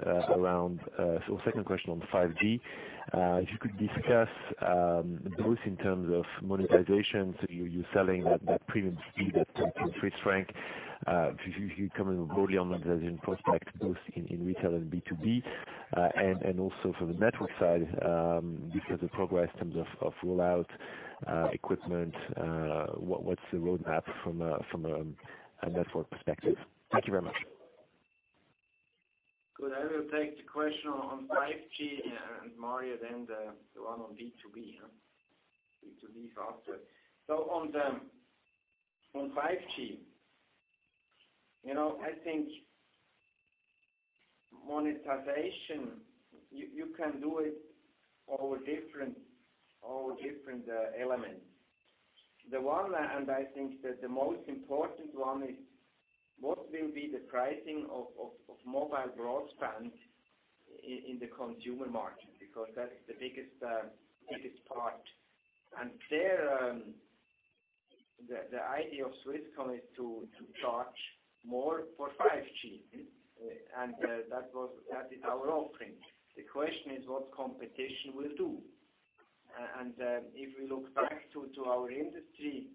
on 5G. If you could discuss both in terms of monetization, you're selling that premium speed at 20 CHF. If you comment broadly on monetization prospect, both in retail and B2B. Also for the network side, because the progress in terms of rollout, equipment, what's the roadmap from a network perspective? Thank you very much. Good. I will take the question on 5G, and Mario, then the one on B2B. B2B is after. On 5G, I think monetization, you can do it over different elements. The one, and I think that the most important one is what will be the pricing of mobile broadband in the consumer market? Because that's the biggest part. There, the idea of Swisscom is to charge more for 5G. That is our offering. The question is what competition will do. If we look back to our industry,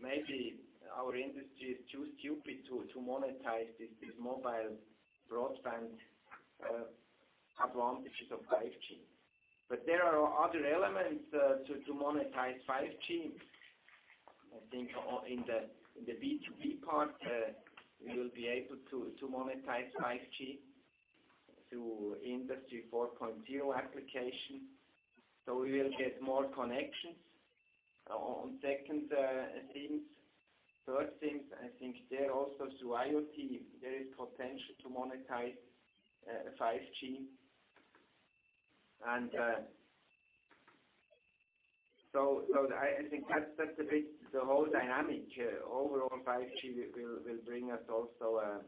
maybe our industry is too stupid to monetize this mobile broadband advantages of 5G. There are other elements to monetize 5G. I think in the B2B part, we will be able to monetize 5G through Industry 4.0 application. We will get more connections On second things, third things, I think there also through IoT, there is potential to monetize 5G. I think that's a bit the whole dynamic. Overall 5G will bring us also a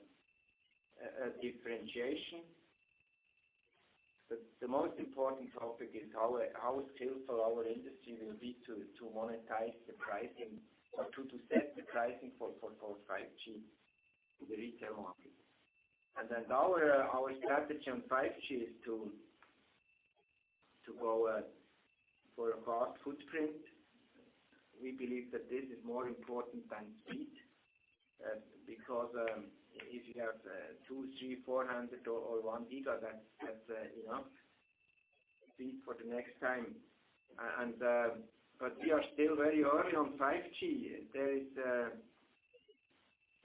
differentiation. The most important topic is how skillful our industry will be to monetize the pricing or to set the pricing for 5G to the retail market. Our strategy on 5G is to go for a broad footprint. We believe that this is more important than speed, because, if you have two, three, 400 or one giga that's enough speed for the next time. We are still very early on 5G. The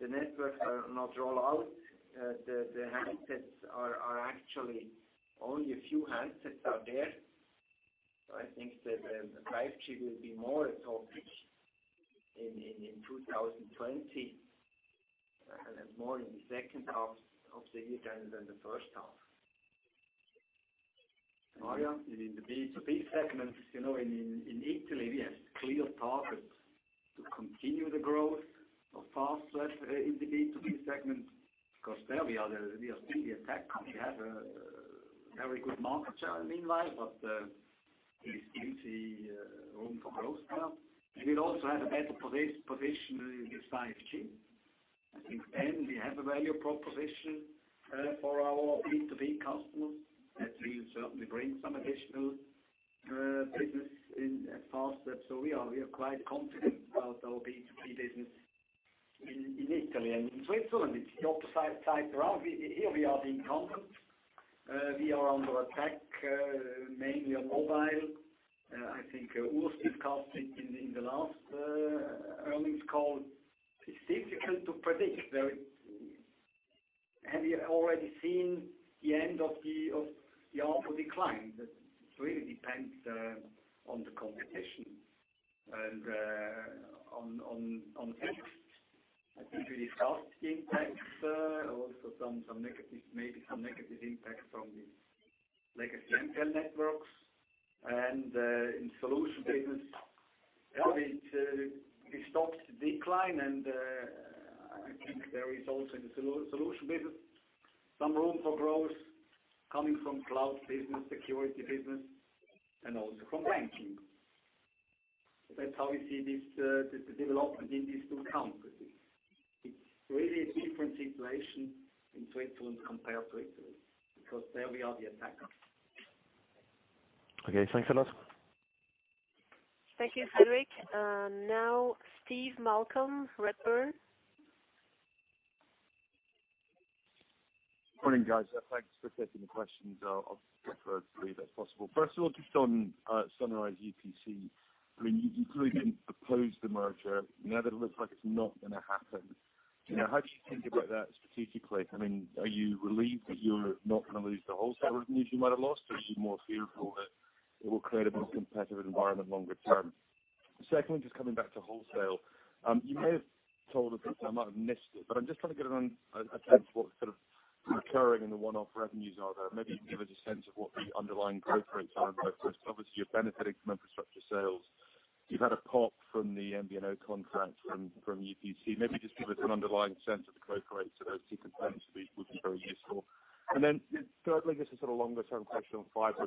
networks are not rolled out. Only a few handsets are there. I think that 5G will be more a topic in 2020, and more in the second half of the year than in the first half. Mario? In the B2B segment, in Italy, we have clear targets to continue the growth of Fastweb in the B2B segment. Because there we are still the attack. We have a very good market share meanwhile, but there is still the room for growth there. We will also have a better position with the 5G. I think we have a value proposition for our B2B customers that will certainly bring some additional business in Fastweb. We are quite confident about our B2B business in Italy. In Switzerland, it's the opposite side around. Here we are the incumbent. We are under attack, mainly on mobile. I think Urs discussed it in the last earnings call. It's difficult to predict. Have you already seen the end of the ARPU decline? That really depends on the competition and on facts. I think we discussed impacts, also maybe some negative impacts from the legacy ISDN networks. In solution business, we stopped the decline and, I think there is also in the solution business, some room for growth coming from cloud business, security business, and also from banking. That's how we see the development in these two countries. It's really a different situation in Switzerland compared to Italy, because there we are the attacker. Okay, thanks a lot. Thank you, Frederic. Now Steve Malcolm, Redburn. Morning, guys. Thanks for taking the questions. I'll be as quick as possible. First of all, just on Sunrise UPC, you clearly didn't oppose the merger. Now that it looks like it's not going to happen, how do you think about that strategically? Are you relieved that you're not going to lose the wholesale revenues you might have lost? Or are you more fearful that it will create a more competitive environment longer term? Secondly, just coming back to wholesale. You may have told this, I might have missed it, but I'm just trying to get a sense what sort of recurring and the one-off revenues are there. Maybe you can give us a sense of what the underlying growth rates are. Obviously, you're benefiting from infrastructure sales. You've had a pop from the MVNO contract from UPC. Maybe just give us an underlying sense of the growth rates at [inaudible] compared to the would be very useful. Thirdly, this is a longer-term question on fiber.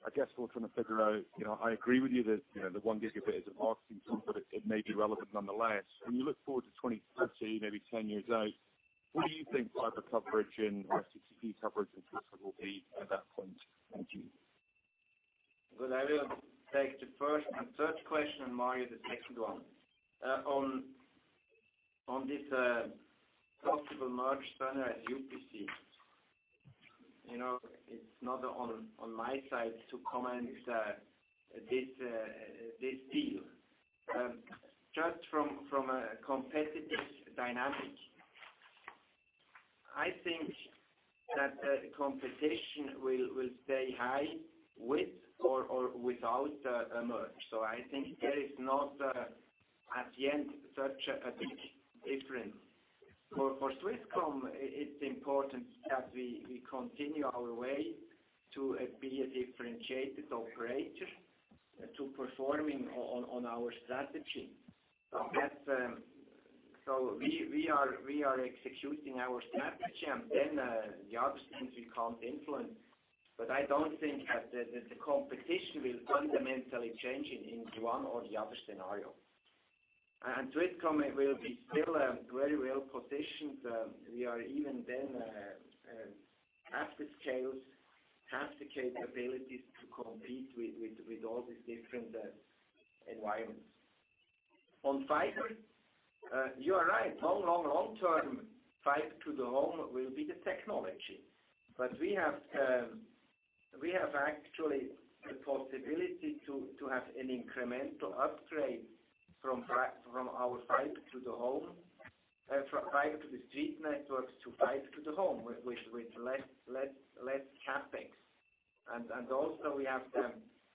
I guess what I'm trying to figure out, I agree with you that the one gigabit is a marketing tool, but it may be relevant nonetheless. When you look forward to 2030, maybe 10 years out, what do you think fiber coverage and FTTP coverage in Swisscom will be at that point? Thank you. Good. I will take the first and third question, and Mario, the second one. On this possible merge Sunrise UPC. It's not on my side to comment this deal. From a competitive dynamic, I think that the competition will stay high with or without a merge. I think there is not, at the end, such a big difference. For Swisscom, it's important that we continue our way to be a differentiated operator to performing on our strategy. We are executing our strategy, the other things we can't influence. I don't think that the competition will fundamentally change in one or the other scenario. Swisscom will be still very well-positioned. We are even then have the scales, have the capabilities to compete with all these different environments. On fiber, you are right. Long-term, Fiber to the home will be the technology. We have actually the possibility to have an incremental upgrade. From our Fiber to the Street networks to Fiber to the home, with less CapEx. Also we have the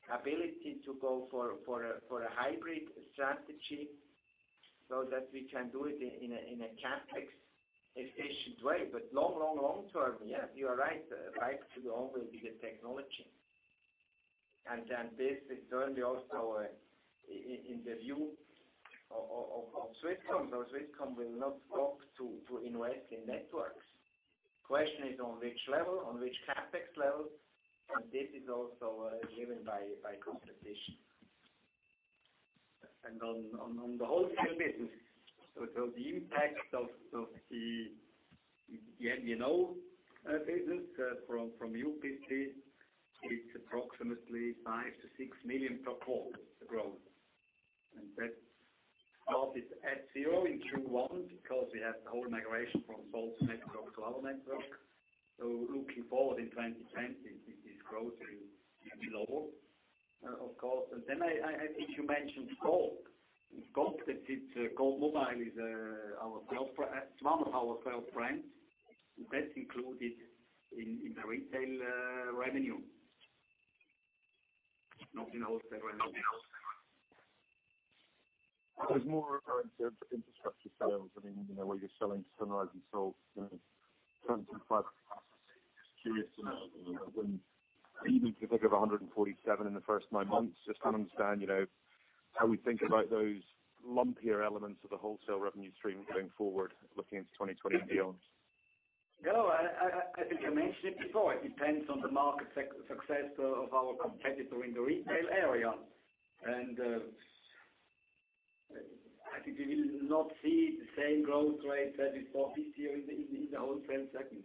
ability to go for a hybrid strategy so that we can do it in a CapEx-efficient way. Long-term, you are right. Fiber to the home will be the technology. This is certainly also in the view of Swisscom. Swisscom will not stop to invest in networks. Question is on which level, on which CapEx level, and this is also given by competition. On the wholesale business. The impact of the MNO business from UPC is approximately CHF 5 million-CHF 6 million per quarter growth. That started at zero in Q1 because we had the whole migration from Salt's network to our network. Looking forward in 2025, this growth will be lower, of course. If you mentioned Gold. With Gold, since Gold Mobile is one of our self-brands, that's included in the retail revenue. Not in wholesale revenue. I was more referring to infrastructure sales. Where you're selling to Sunrise and Salt. Just curious to know when you can think of 147 in the first nine months, just to understand how we think about those lumpier elements of the wholesale revenue stream going forward looking into 2025 and beyond. No, I think I mentioned it before. It depends on the market success of our competitor in the retail area. I think we will not see the same growth rate as we saw this year in the wholesale segment.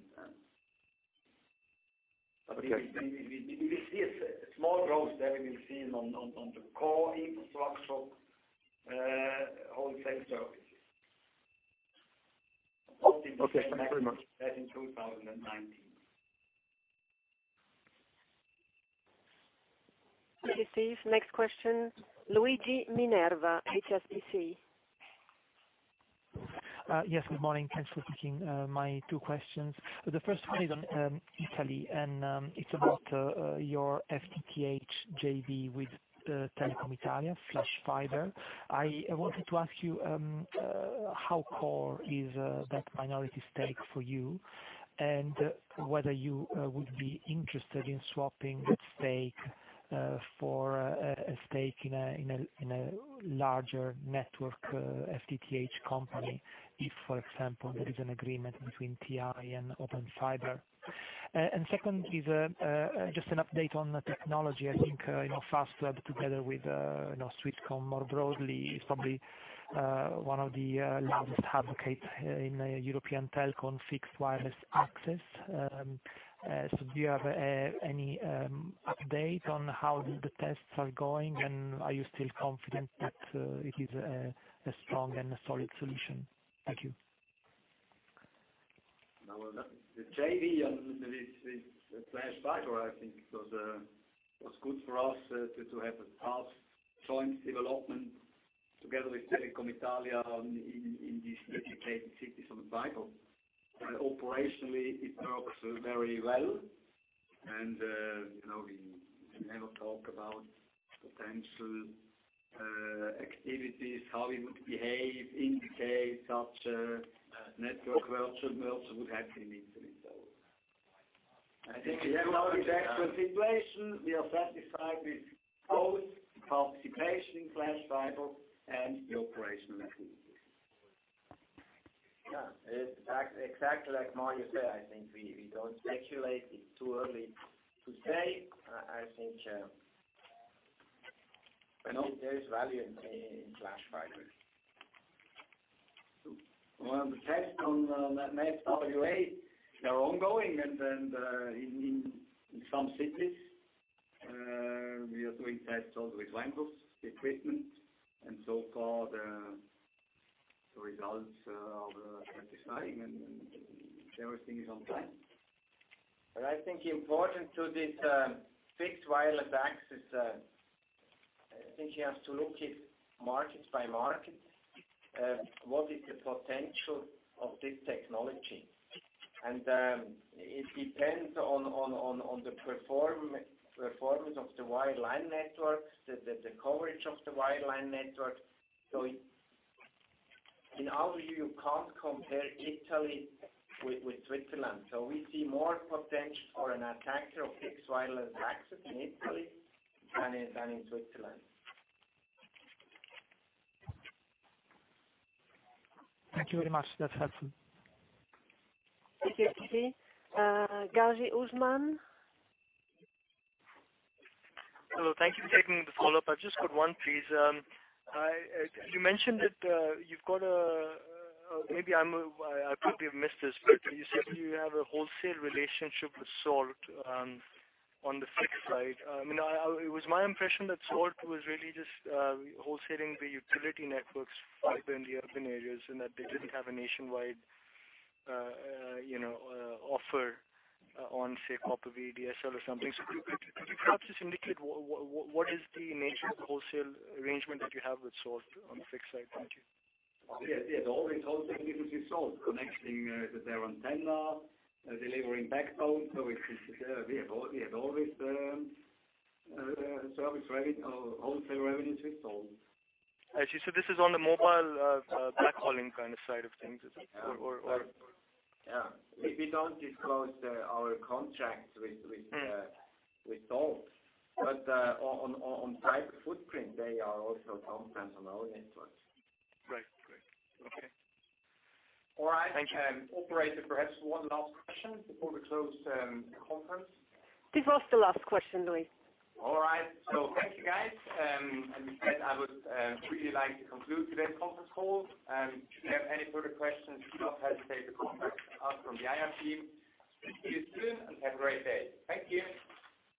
Okay. We will see a small growth there. We will see it on the core infrastructure wholesale services. Okay. Thank you very much. As in 2019. This is Steve. Next question, Luigi Minerva, HSBC. Yes, good morning. Thanks for taking my two questions. The first one is on Italy, and it's about your FTTH JV with Telecom Italia, Flash Fiber. I wanted to ask you how core is that minority stake for you, and whether you would be interested in swapping that stake for a stake in a larger network FTTH company if, for example, there is an agreement between TI and Open Fiber. Second is just an update on the technology. I think Fastweb together with Swisscom more broadly is probably one of the largest advocates in European Telco on Fixed Wireless Access. Do you have any update on how the tests are going, and are you still confident that it is a strong and a solid solution? Thank you. The JV and with Flash Fiber, I think was good for us to have a past joint development together with Telecom Italia in these dedicated cities on the fiber. Operationally, it works very well. We never talk about potential activities, how we would behave in the case such a network virtual merger would happen in Italy. I think We are satisfied with both participation in Flash Fiber and the operational activities. Yeah. Exactly like Mario said, I think we don't speculate. It's too early to say. I think there is value in Flash Fiber. Well, the tests on FWA, they're ongoing. In some cities, we are doing tests also with Windows equipment. So far, the results are satisfying and everything is on time. I think important to this fixed wireless access, I think you have to look it market by market. What is the potential of this technology? It depends on the performance of the wireline network, the coverage of the wireline network. In our view, you can't compare Italy with Switzerland. We see more potential for an attacker of Fixed Wireless Access in Italy than in Switzerland. Thank you very much. That's helpful. Okay. Thank you. Ghayas Usmani. Hello. Thank you for taking the follow-up. I've just got one, please. You mentioned that you've got a Maybe I could have missed this, but you said you have a wholesale relationship with Salt on the fixed side. It was my impression that Salt was really just wholesaling the utility networks fiber in the urban areas, and that they didn't have a nationwide offer on, say, copper VDSL or something. Could you perhaps just indicate what is the nature of the wholesale arrangement that you have with Salt on the fixed side? Thank you. Yes. Always wholesale business with Salt. Connecting their antenna, delivering backbone. We have always service revenue, wholesale revenues with Salt. Actually, this is on the mobile backhauling side of things? Or- Yeah. We don't disclose our contracts with Salt. On fiber footprint, they are also sometimes on our networks. Right. Okay. Thank you. All right. Operator, perhaps one last question before we close the conference. This was the last question, Louis. All right. Thank you, guys. With that, I would really like to conclude today's conference call. If you have any further questions, do not hesitate to contact us from the IR team. See you soon, and have a great day. Thank you.